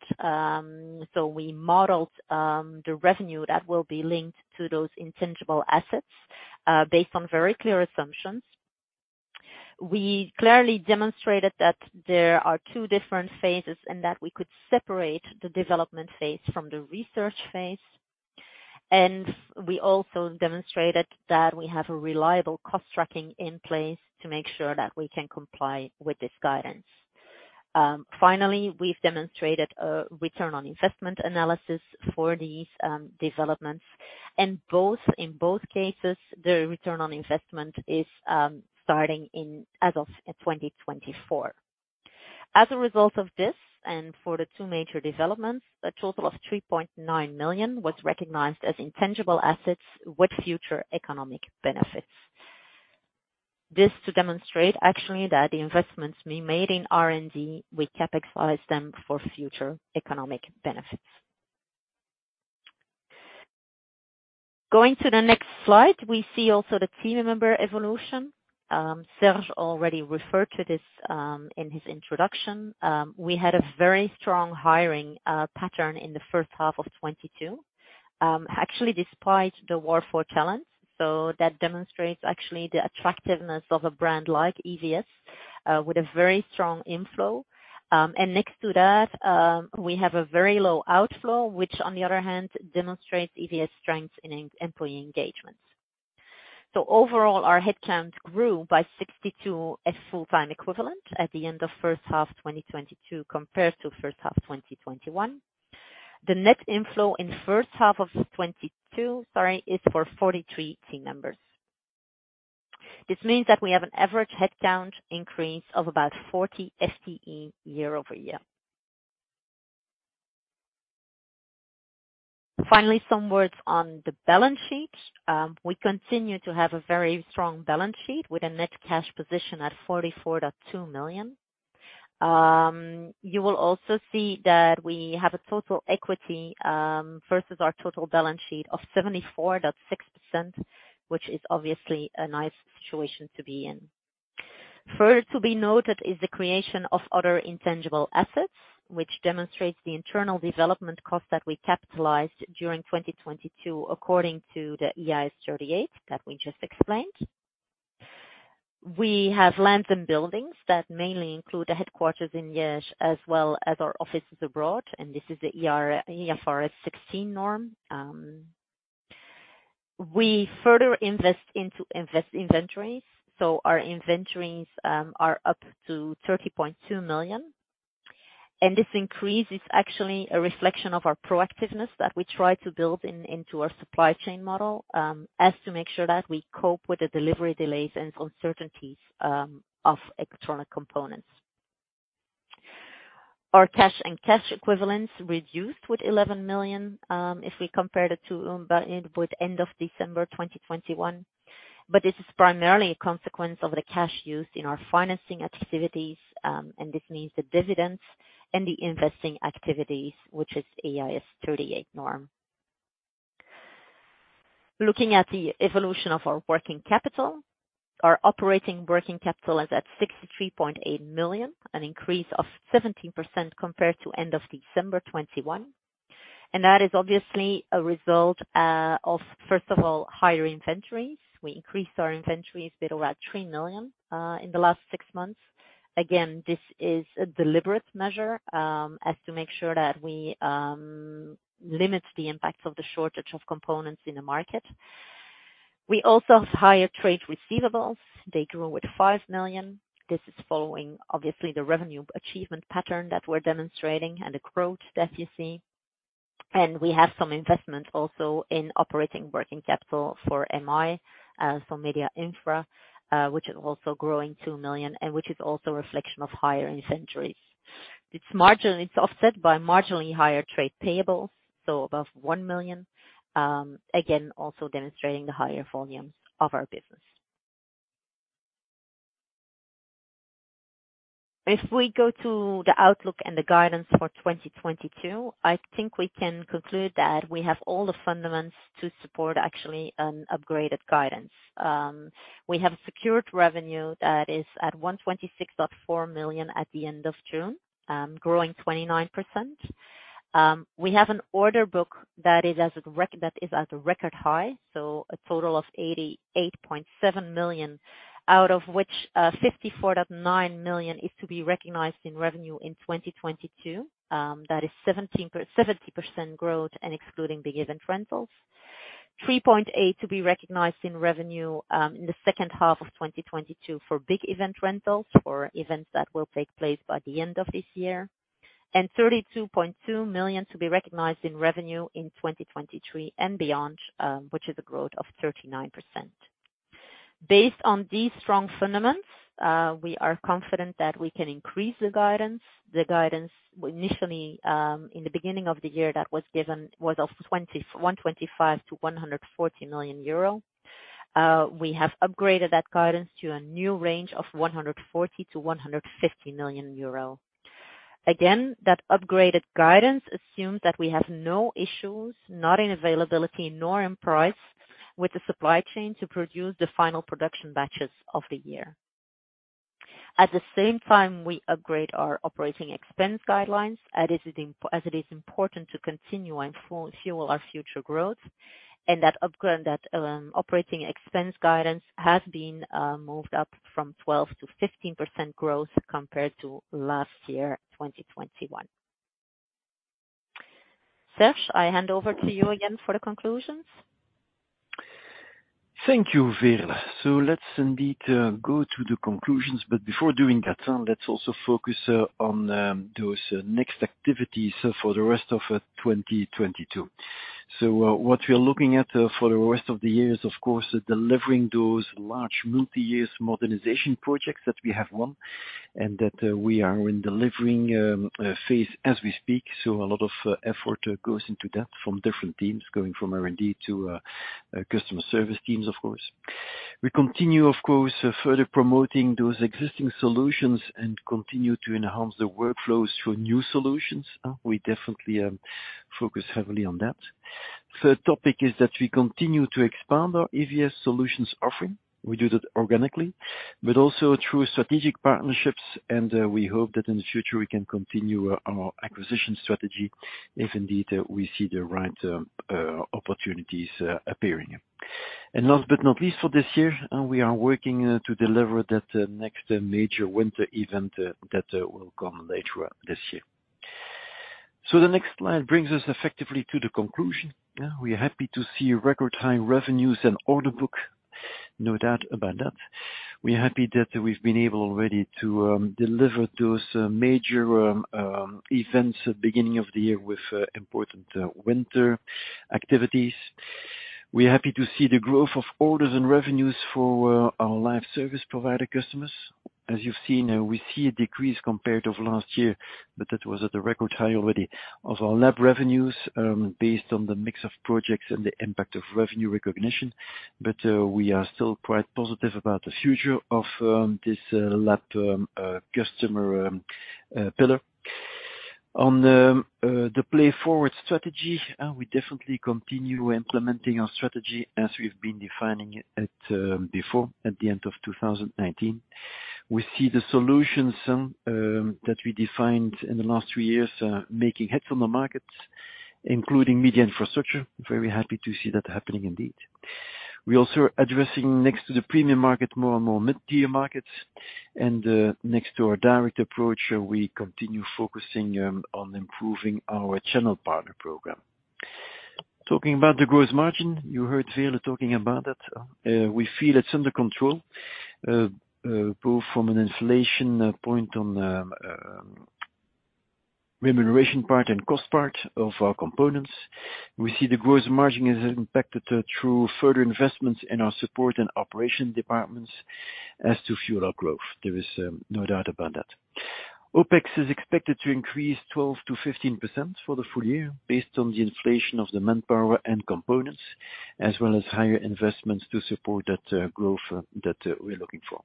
So we modeled the revenue that will be linked to those intangible assets based on very clear assumptions. We clearly demonstrated that there are two different phases and that we could separate the development phase from the research phase. We also demonstrated that we have a reliable cost tracking in place to make sure that we can comply with this guidance. Finally, we've demonstrated a return on investment analysis for these developments. In both cases, the return on investment is starting as of 2024. As a result of this, for the two major developments, a total of 3.9 million was recognized as intangible assets with future economic benefits. This to demonstrate actually that the investments we made in R&D, we capitalize them for future economic benefits. Going to the next slide, we see also the team member evolution. Serge already referred to this in his introduction. We had a very strong hiring pattern in the first half of 2022, actually despite the war for talent. That demonstrates actually the attractiveness of a brand like EVS with a very strong inflow. Next to that, we have a very low outflow, which on the other hand demonstrates EVS strength in employee engagement. Overall, our headcount grew by 62 full-time equivalents at the end of first half 2022 compared to first half 2021. The net inflow in first half of 2022, sorry, is of 43 team members. This means that we have an average headcount increase of about 40 FTE year-over-year. Finally, some words on the balance sheet. We continue to have a very strong balance sheet with a net cash position at 44.2 million. You will also see that we have a total equity versus our total balance sheet of 74.6%, which is obviously a nice situation to be in. Further to be noted is the creation of other intangible assets, which demonstrates the internal development cost that we capitalized during 2022, according to the IAS 38 that we just explained. We have lands and buildings that mainly include the headquarters in Liège, as well as our offices abroad, and this is the IFRS 16 norm. We further invest into inventories, so our inventories are up to 30.2 million. This increase is actually a reflection of our proactiveness that we try to build in, into our supply chain model, as to make sure that we cope with the delivery delays and uncertainties of electronic components. Our cash and cash equivalents reduced with 11 million, if we compare it to end of December 2021. This is primarily a consequence of the cash used in our financing activities, and this means the dividends and the investing activities, which is IAS 38 norm. Looking at the evolution of our working capital. Our operating working capital is at 63.8 million, an increase of 17% compared to end of December 2021. That is obviously a result of, first of all, higher inventories. We increased our inventories a bit around 3 million in the last six months. Again, this is a deliberate measure as to make sure that we limit the impact of the shortage of components in the market. We also have higher trade receivables. They grew with 5 million. This is following, obviously, the revenue achievement pattern that we're demonstrating and the growth that you see. We have some investment also in operating working capital for MI, so MediaInfra, which is also growing 2 million and which is also a reflection of higher inventories. This margin is offset by marginally higher trade payables, so above 1 million, again, also demonstrating the higher volumes of our business. If we go to the outlook and the guidance for 2022, I think we can conclude that we have all the fundamentals to support actually an upgraded guidance. We have secured revenue that is at 126.4 million at the end of June, growing 29%. We have an order book that is at a record high, so a total of 88.7 million, out of which, 54.9 million is to be recognized in revenue in 2022. That is 17%-70% growth excluding Big Event Rental. 3.8 million to be recognized in revenue in the second half of 2022 for Big Event Rental for events that will take place by the end of this year, and 32.2 million to be recognized in revenue in 2023 and beyond, which is a growth of 39%. Based on these strong fundamentals, we are confident that we can increase the guidance. The guidance initially in the beginning of the year that was given was 125 million-140 million euro. We have upgraded that guidance to a new range of 140 million-150 million euro. Again, that upgraded guidance assumes that we have no issues, not in availability nor in price, with the supply chain to produce the final production batches of the year. At the same time, we upgrade our operating expense guidelines as it is important to continue and fuel our future growth. That upgrade, operating expense guidance has been moved up from 12%-15% growth compared to last year, 2021. Serge, I hand over to you again for the conclusions. Thank you, Veerle. Let's indeed go to the conclusions. Before doing that, let's also focus on those next activities for the rest of 2022. What we are looking at for the rest of the year is, of course, delivering those large multi-year modernization projects that we have won and that we are in delivering phase as we speak. A lot of effort goes into that from different teams, going from R&D to customer service teams, of course. We continue, of course, further promoting those existing solutions and continue to enhance the workflows through new solutions. We definitely focus heavily on that. Third topic is that we continue to expand our EVS solutions offering. We do that organically, but also through strategic partnerships, and we hope that in the future we can continue our acquisition strategy if indeed we see the right opportunities appearing. Last but not least, for this year, we are working to deliver that next major winter event that will come later this year. The next slide brings us effectively to the conclusion. We are happy to see record high revenues and order book. No doubt about that. We are happy that we've been able already to deliver those major events at beginning of the year with important winter activities. We are happy to see the growth of orders and revenues for our live service provider customers. As you've seen, we see a decrease compared to last year, but that was at a record high already of our LAB revenues, based on the mix of projects and the impact of revenue recognition. We are still quite positive about the future of this LAB customer pillar. On the PLAYForward strategy, we definitely continue implementing our strategy as we've been defining it at, before, at the end of 2019. We see the solutions that we defined in the last three years making headway in the markets, including media infrastructure. Very happy to see that happening indeed. We also are addressing next to the premium market, more and more mid-tier markets. Next to our direct approach, we continue focusing on improving our channel partner program. Talking about the gross margin, you heard Veerle talking about that. We feel it's under control, both from an inflation point on, remuneration part and cost part of our components. We see the gross margin is impacted through further investments in our support and operation departments as to fuel our growth. There is no doubt about that. OpEx is expected to increase 12%-15% for the full year based on the inflation of the manpower and components, as well as higher investments to support that growth that we're looking for.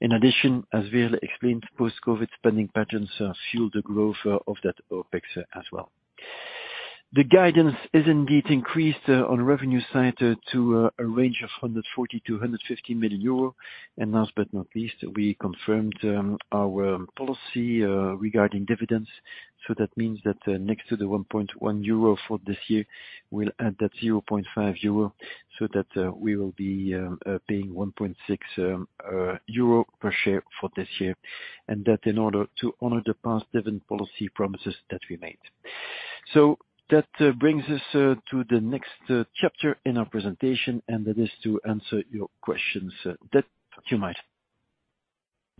In addition, as Veerle explained, post COVID spending patterns fueled the growth of that OpEx as well. The guidance is indeed increased on revenue side to a range of 140 million-150 million euro. Last but not least, we confirmed our policy regarding dividends. That means that next to the 1.1 euro for this year, we'll add that 0.5 euro so that we will be paying 1.6 euro per share for this year. That in order to honor the past dividend policy promises that we made. That brings us to the next chapter in our presentation, and that is to answer your questions. Deb, you might.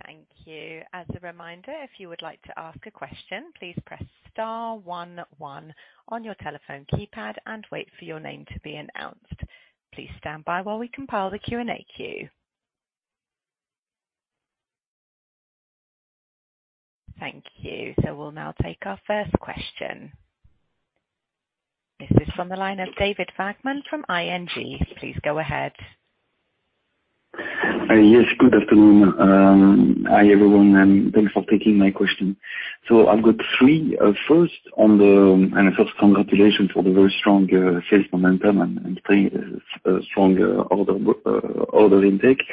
Thank you. As a reminder, if you would like to ask a question, please press star one one on your telephone keypad and wait for your name to be announced. Please stand by while we compile the Q&A queue. Thank you. We'll now take our first question. This is from the line of David Vagman from ING. Please go ahead. Yes, good afternoon. Hi, everyone, and thanks for taking my question. I've got three. First, congratulations for the very strong sales momentum and pretty strong order intake.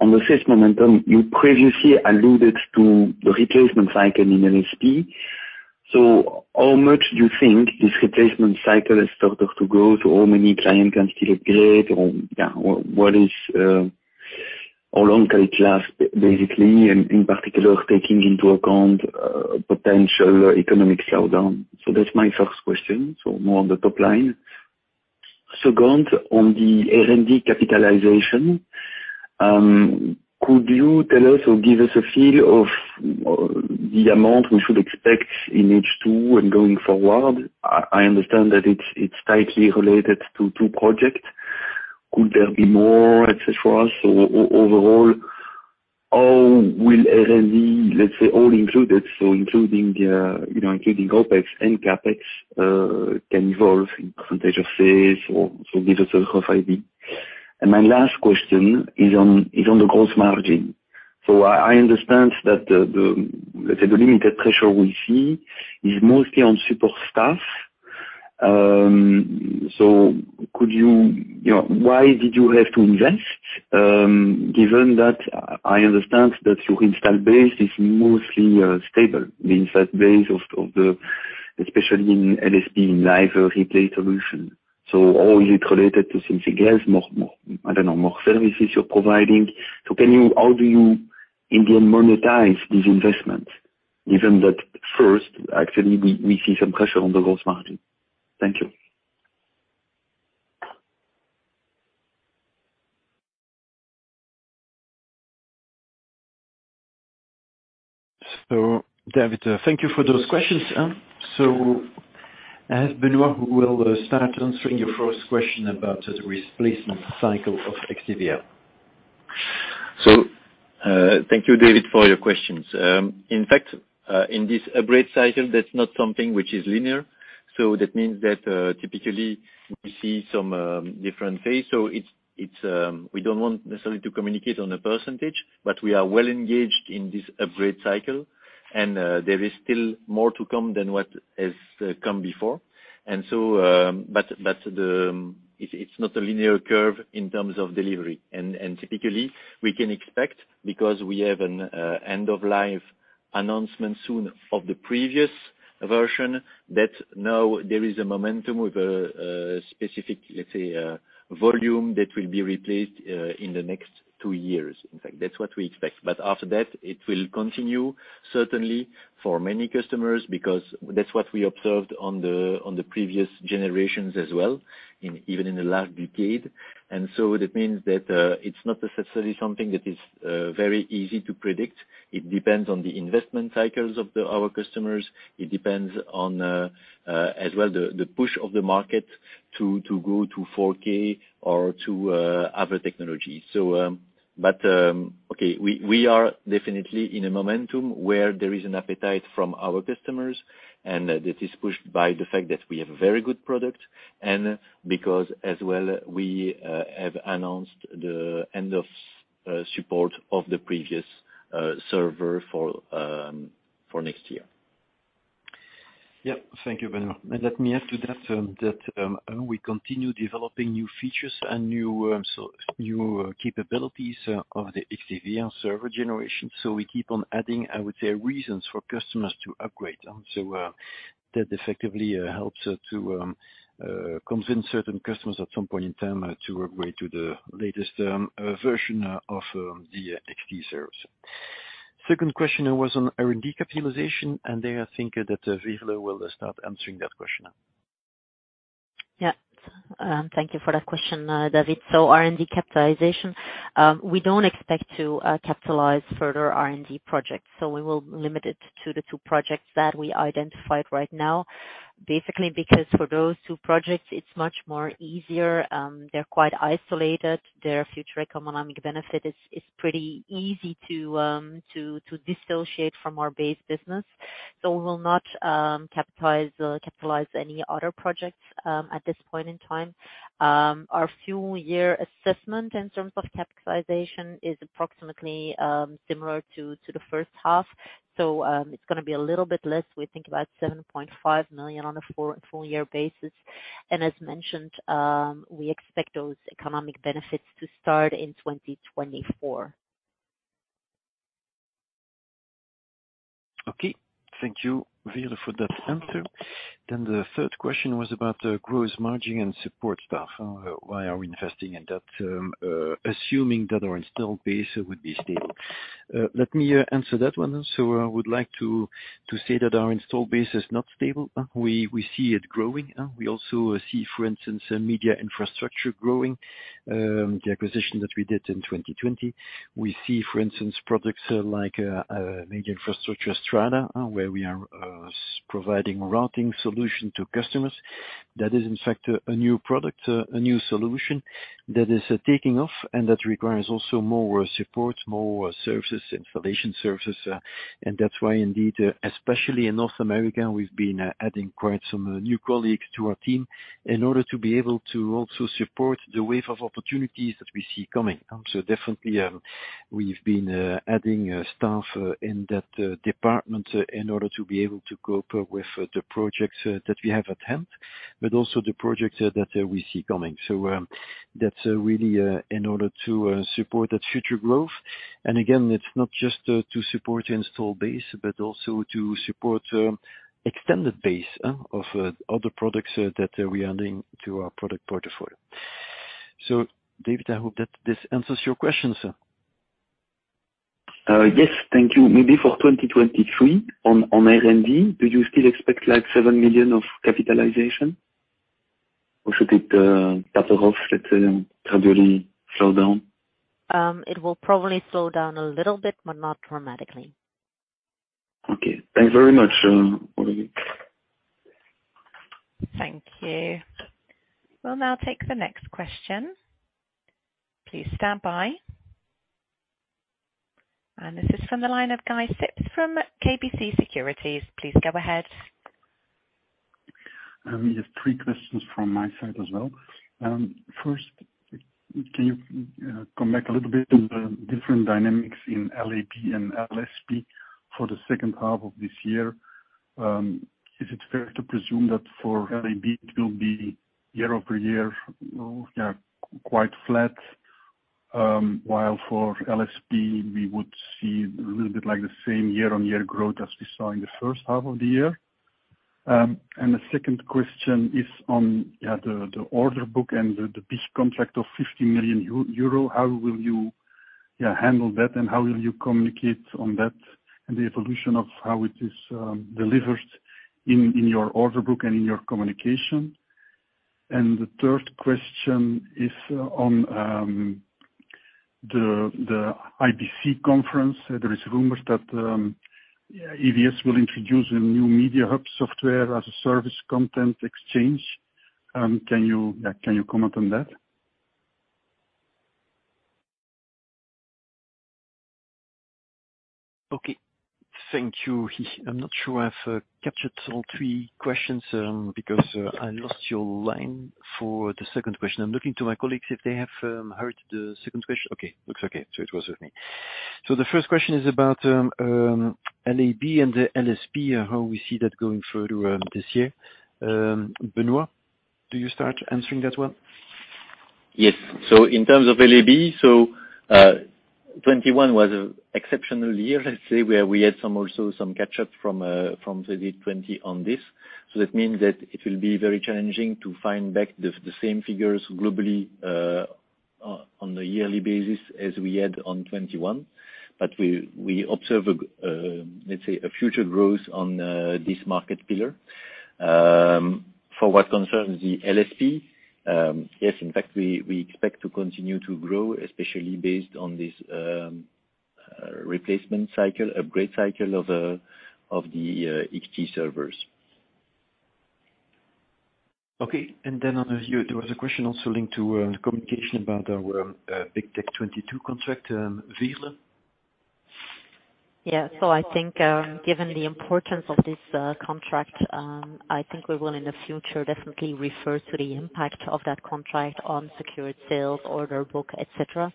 On the sales momentum, you previously alluded to the replacement cycle in LSP. How much do you think this replacement cycle has started to grow? How many clients can still upgrade or, yeah, what is, how long can it last, basically, and in particular, taking into account potential economic slowdown? That's my first question. More on the top line. Second, on the R&D capitalization, could you tell us or give us a feel of the amount we should expect in H2 and going forward? I understand that it's tightly related to two projects. Could there be more, et cetera? Overall, how will R&D, let's say all included, including OpEx and CapEx, evolve in percentage of sales or, give us a rough idea? My last question is on the gross margin. I understand that the, let's say, the limited pressure we see is mostly on support staff. Could you, why did you have to invest, given that I understand that your installed base is mostly stable, the installed base of the, especially in LSP, in live replay solution? Or is it related to something else, more, I don't know, more services you're providing? Can you how do you, in the end, monetize this investment given that first, actually we see some pressure on the gross margin? Thank you. David, thank you for those questions. I have Benoît, who will start answering your first question about the replacement cycle of XT-VIA. Thank you, David, for your questions. In fact, in this upgrade cycle, that's not something which is linear. That means that typically we see some different phase. We don't want necessarily to communicate on a percentage, but we are well engaged in this upgrade cycle. There is still more to come than what has come before. It is not a linear curve in terms of delivery. Typically we can expect, because we have an end of life announcement soon of the previous version, that now there is a momentum with a specific, let's say, volume that will be replaced in the next two years. In fact, that's what we expect. After that, it will continue certainly for many customers because that's what we observed on the previous generations as well, even in the last decade. That means that it's not necessarily something that is very easy to predict. It depends on the investment cycles of our customers. It depends on, as well, the push of the market to go to 4K or to other technologies. We are definitely in a momentum where there is an appetite from our customers, and that is pushed by the fact that we have a very good product. Because as well we have announced the end of support of the previous server for next year. Yeah. Thank you, Benoît. Let me add to that, we continue developing new features and new capabilities of the XT-VIA server generation. We keep on adding, I would say, reasons for customers to upgrade. That effectively helps to convince certain customers at some point in time to upgrade to the latest version of the XT servers. Second question was on R&D capitalization, and there I think that Veerle will start answering that question. Yeah. Thank you for that question, David. R&D capitalization, we don't expect to capitalize further R&D projects. We will limit it to the two projects that we identified right now. Basically, because for those two projects, it's much more easier. They're quite isolated. Their future economic benefit is pretty easy to dissociate from our base business. We will not capitalize any other projects at this point in time. Our full year assessment in terms of capitalization is approximately similar to the first half. It's gonna be a little bit less, we think about 7.5 million on a full year basis. We expect those economic benefits to start in 2024. Okay. Thank you, Veerle, for that answer. The third question was about the gross margin and support staff. Why are we investing in that? Assuming that our installed base would be stable. Let me answer that one. I would like to say that our installed base is not stable. We see it growing. We also see, for instance, MediaInfra growing. The acquisition that we did in 2020. We see, of course, products like MediaInfra Strada, where we are providing routing solution to customers. That is in fact a new product, a new solution that is taking off and that requires also more support, more services, installation services. That's why indeed, especially in North America, we've been adding quite some new colleagues to our team in order to be able to also support the wave of opportunities that we see coming. Definitely, we've been adding staff in that department in order to be able to cope up with the projects that we have at hand, but also the projects that we see coming. That's really in order to support that future growth. Again, it's not just to support the install base, but also to support extended base of other products that we are adding to our product portfolio. David, I hope that this answers your question, sir. Yes. Thank you. Maybe for 2023 on R&D, do you still expect like 7 million of capitalization? Or should it taper off, let's say, gradually slow down? It will probably slow down a little bit, but not dramatically. Okay. Thanks very much for the week. Thank you. We'll now take the next question. Please stand by. This is from the line of Guy Sips from KBC Securities. Please go ahead. We have three questions from my side as well. First, can you come back a little bit on the different dynamics in LAB and LSP for the second half of this year? Is it fair to presume that for LAB, it will be year-over-year, yeah, quite flat? While for LSP, we would see a little bit like the same year-over-year growth as we saw in the first half of the year. And the second question is on, yeah, the order book and the big contract of 50 million euro. How will you handle that, and how will you communicate on that and the evolution of how it is delivered in your order book and in your communication? And the third question is on the IBC conference. There is rumors that EVS will introduce a new MediaHub software as a service content exchange. Can you comment on that? Okay. Thank you. I'm not sure I've captured all three questions, because I lost your line for the second question. I'm looking to my colleagues if they have heard the second question. Okay. Looks okay. It was with me. The first question is about LAB and the LSP, how we see that going further this year. Benoît, do you start answering that one? Yes. In terms of LAB, 2021 was an exceptional year, let's say, where we had some catch up from 2020 on this. That means that it will be very challenging to find back the same figures globally on the yearly basis as we had on 2021. We observe, let's say, a future growth on this market pillar. For what concerns the LSP, we expect to continue to grow, especially based on this replacement cycle, upgrade cycle of the XT servers. Okay. On here, there was a question also linked to communication about our Big Tech 2022 contract, Veerle. Yeah. I think, given the importance of this contract, I think we will in the future definitely refer to the impact of that contract on secured sales, order, book, et cetera.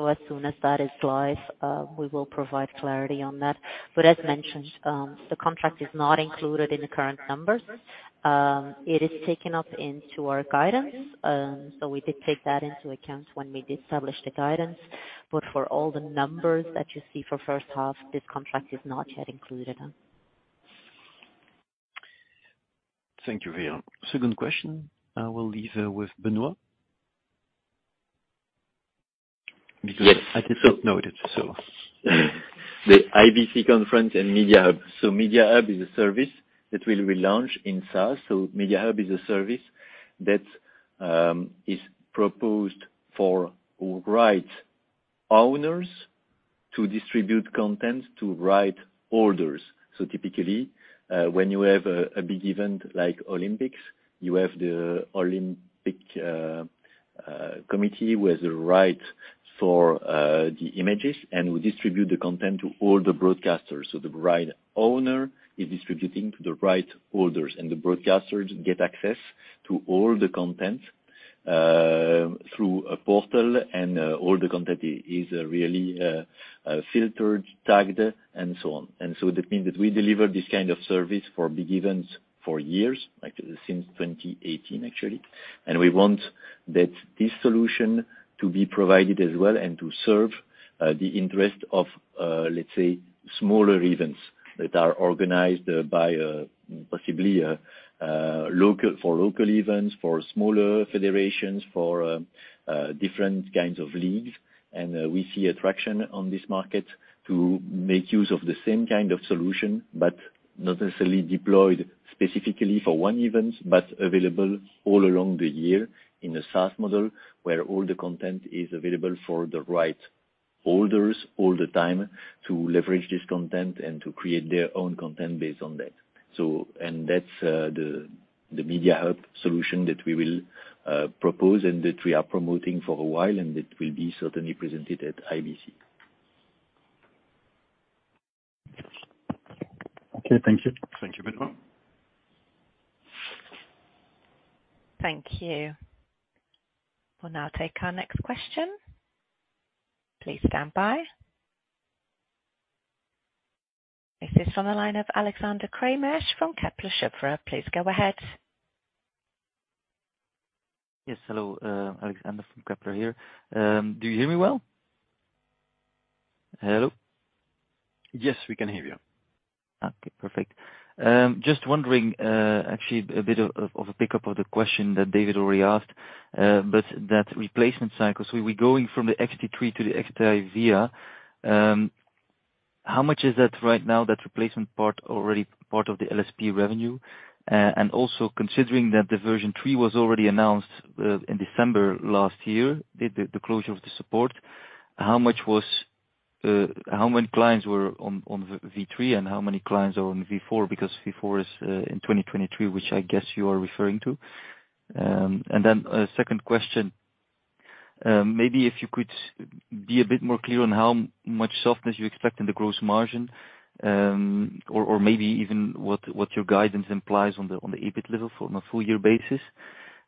As soon as that is live, we will provide clarity on that. As mentioned, the contract is not included in the current numbers. It is taken up into our guidance. We did take that into account when we did establish the guidance. For all the numbers that you see for first half, this contract is not yet included. Thank you, Veerle. Second question, I will leave with Benoît. Yes. Because I did not note it, so. The IBC conference and MediaHub. MediaHub is a service that will be launched in SaaS. MediaHub is a service that is proposed for right owners to distribute content to right holders. Typically, when you have a big event like Olympics, you have the Olympic Committee who has the rights for the images, and who distribute the content to all the broadcasters. The right owner is distributing to the right holders, and the broadcasters get access to all the content through a portal. All the content is really filtered, tagged and so on. That means that we deliver this kind of service for big events for years, like since 2018, actually. We want that this solution to be provided as well and to serve the interest of, let's say, smaller events that are organized for local events, for smaller federations, for different kinds of leagues. We see a traction in this market to make use of the same kind of solution, but not necessarily deployed specifically for one event, but available all along the year in a SaaS model, where all the content is available for the right holders all the time to leverage this content and to create their own content based on that. That's the MediaHub solution that we will propose and that we are promoting for a while, and it will certainly be presented at IBC. Okay, thank you. Thank you, Benoît. Thank you. We'll now take our next question. Please stand by. This is on the line of Alexander Craeymeersch from Kepler Cheuvreux. Please go ahead. Yes, hello, Alexander from Kepler here. Do you hear me well? Hello? Yes, we can hear you. Okay, perfect. Just wondering, actually a bit of a pickup of the question that David already asked, but that replacement cycle, so we're going from the XT3 to the XT-VIA. How much is that right now, that replacement part already part of the LSP revenue? And also considering that the version three was already announced in December last year, the closure of the support, how many clients were on v3 and how many clients are on v4? Because v4 is in 2023, which I guess you are referring to. A second question, maybe if you could be a bit more clear on how much softness you expect in the gross margin, or maybe even what your guidance implies on the EBIT level from a full year basis.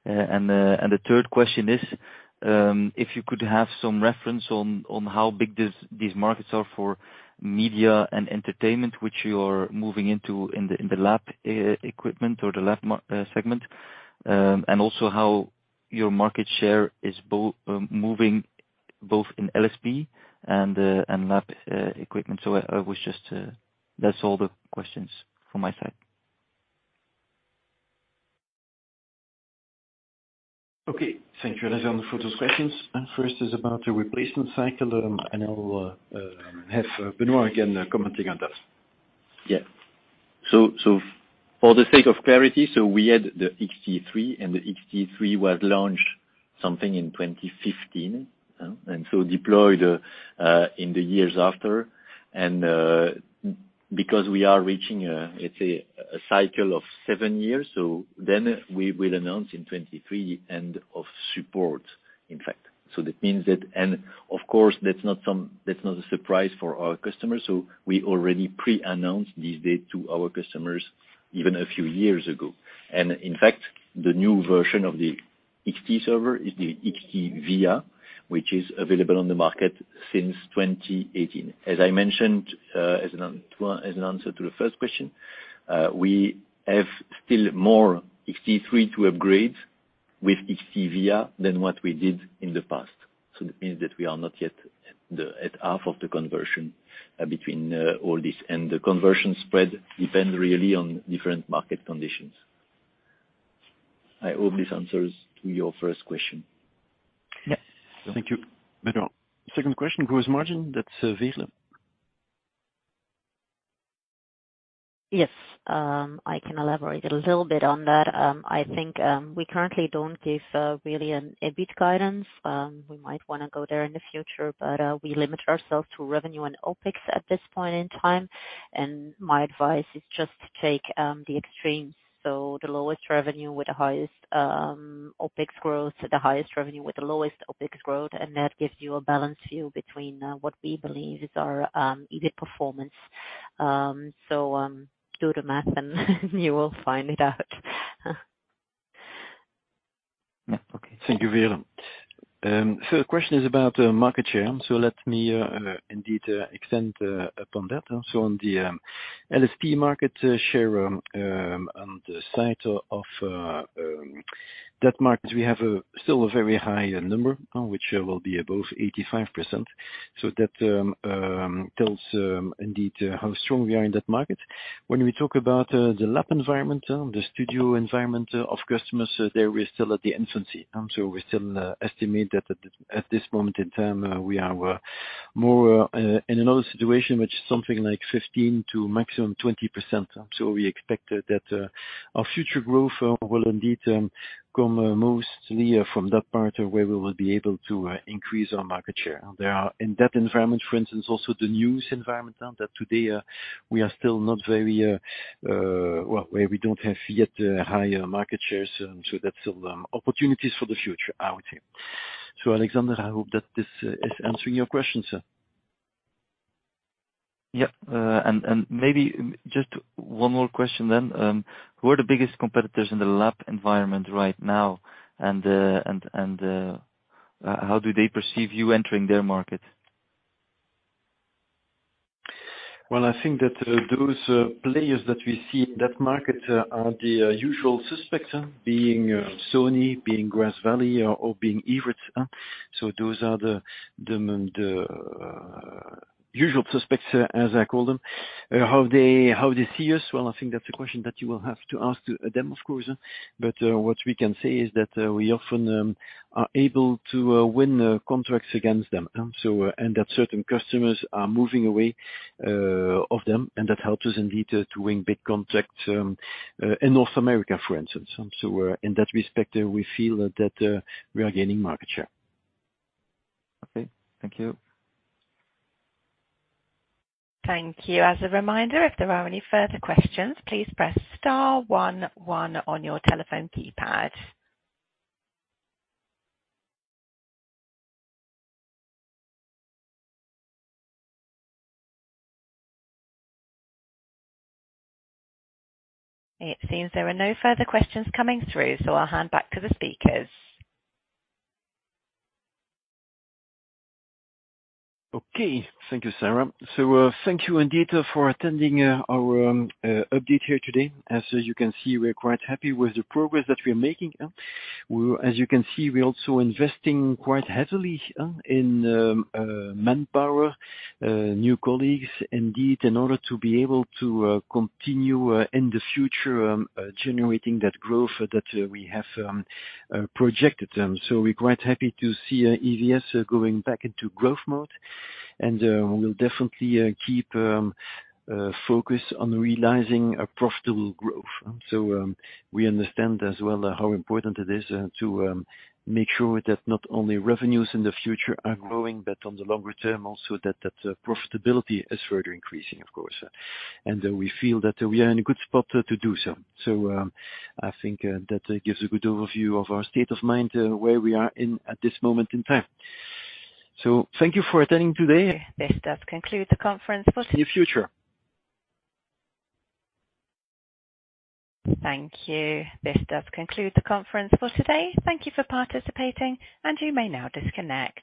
The third question is, if you could have some reference on how big these markets are for media and entertainment, which you're moving into in the LAB equipment or the LAB market segment, and also how your market share is moving both in LSP and LAB equipment. I was just... That's all the questions from my side. Okay. Thank you, Alexander, for those questions. First is about the replacement cycle, and I'll have Benoît again commenting on that. For the sake of clarity, we had the XT3, and the XT3 was launched sometime in 2015 and deployed in the years after. Because we are reaching a cycle of seven years, we will announce in 2023 end of support, in fact. That means that. Of course, that's not a surprise for our customers, so we already pre-announced this date to our customers even a few years ago. In fact, the new version of the XT server is the XT-VIA, which is available on the market since 2018. As I mentioned, as an answer to the first question, we have still more XT3 to upgrade with XT-VIA than what we did in the past. That means that we are not yet at the, at half of the conversion, between, all this. The conversion spread depends really on different market conditions. I hope this answers to your first question. Yeah. Thank you. Second question, gross margin, that's Veerle. Yes. I can elaborate a little bit on that. I think we currently don't give really an EBIT guidance. We might wanna go there in the future, but we limit ourselves to revenue and OpEx at this point in time. My advice is just take the extremes. The lowest revenue with the highest OpEx growth, the highest revenue with the lowest OpEx growth, and that gives you a balance view between what we believe is our EBIT performance. Do the math and you will find it out. Okay. Thank you, Veerle. Third question is about market share. Let me indeed extend upon that. On the LSP market share on the side of that market, we have a very high number which will be above 85%. That tells indeed how strong we are in that market. When we talk about the LAB environment, the studio environment of customers, there we're still in its infancy. We still estimate that at this moment in time we are more in another situation which is something like 15%-20%. We expect that our future growth will indeed come mostly from that part where we will be able to increase our market share. There are in that environment, for instance, also the news environment that today we are still not very well where we don't have yet higher market shares. That's opportunities for the future, I would say. Alexander, I hope that this is answering your question, sir. Yeah. Maybe just one more question then. Who are the biggest competitors in the LAB environment right now, and how do they perceive you entering their market? Well, I think that those players that we see in that market are the usual suspects, being Sony, being Grass Valley or being Evertz. Those are the usual suspects, as I call them. How they see us, well, I think that's a question that you will have to ask them, of course. What we can say is that we often are able to win contracts against them. Certain customers are moving away from them, and that helps us indeed to win big contracts in North America, for instance. In that respect, we feel that we are gaining market share. Okay. Thank you. Thank you. As a reminder, if there are any further questions, please press star one one on your telephone keypad. It seems there are no further questions coming through, so I'll hand back to the speakers. Okay. Thank you, Sarah. Thank you indeed for attending our update here today. As you can see, we're quite happy with the progress that we are making. As you can see, we're also investing quite heavily in manpower, new colleagues indeed, in order to be able to continue in the future generating that growth that we have projected. We're quite happy to see EVS going back into growth mode and we'll definitely keep focused on realizing a profitable growth. We understand as well how important it is to make sure that not only revenues in the future are growing, but on the longer term also that that profitability is further increasing, of course. We feel that we are in a good spot to do so. I think that gives a good overview of our state of mind where we are in at this moment in time. Thank you for attending today. This does conclude the conference. See you future. Thank you. This does conclude the conference for today. Thank you for participating, and you may now disconnect.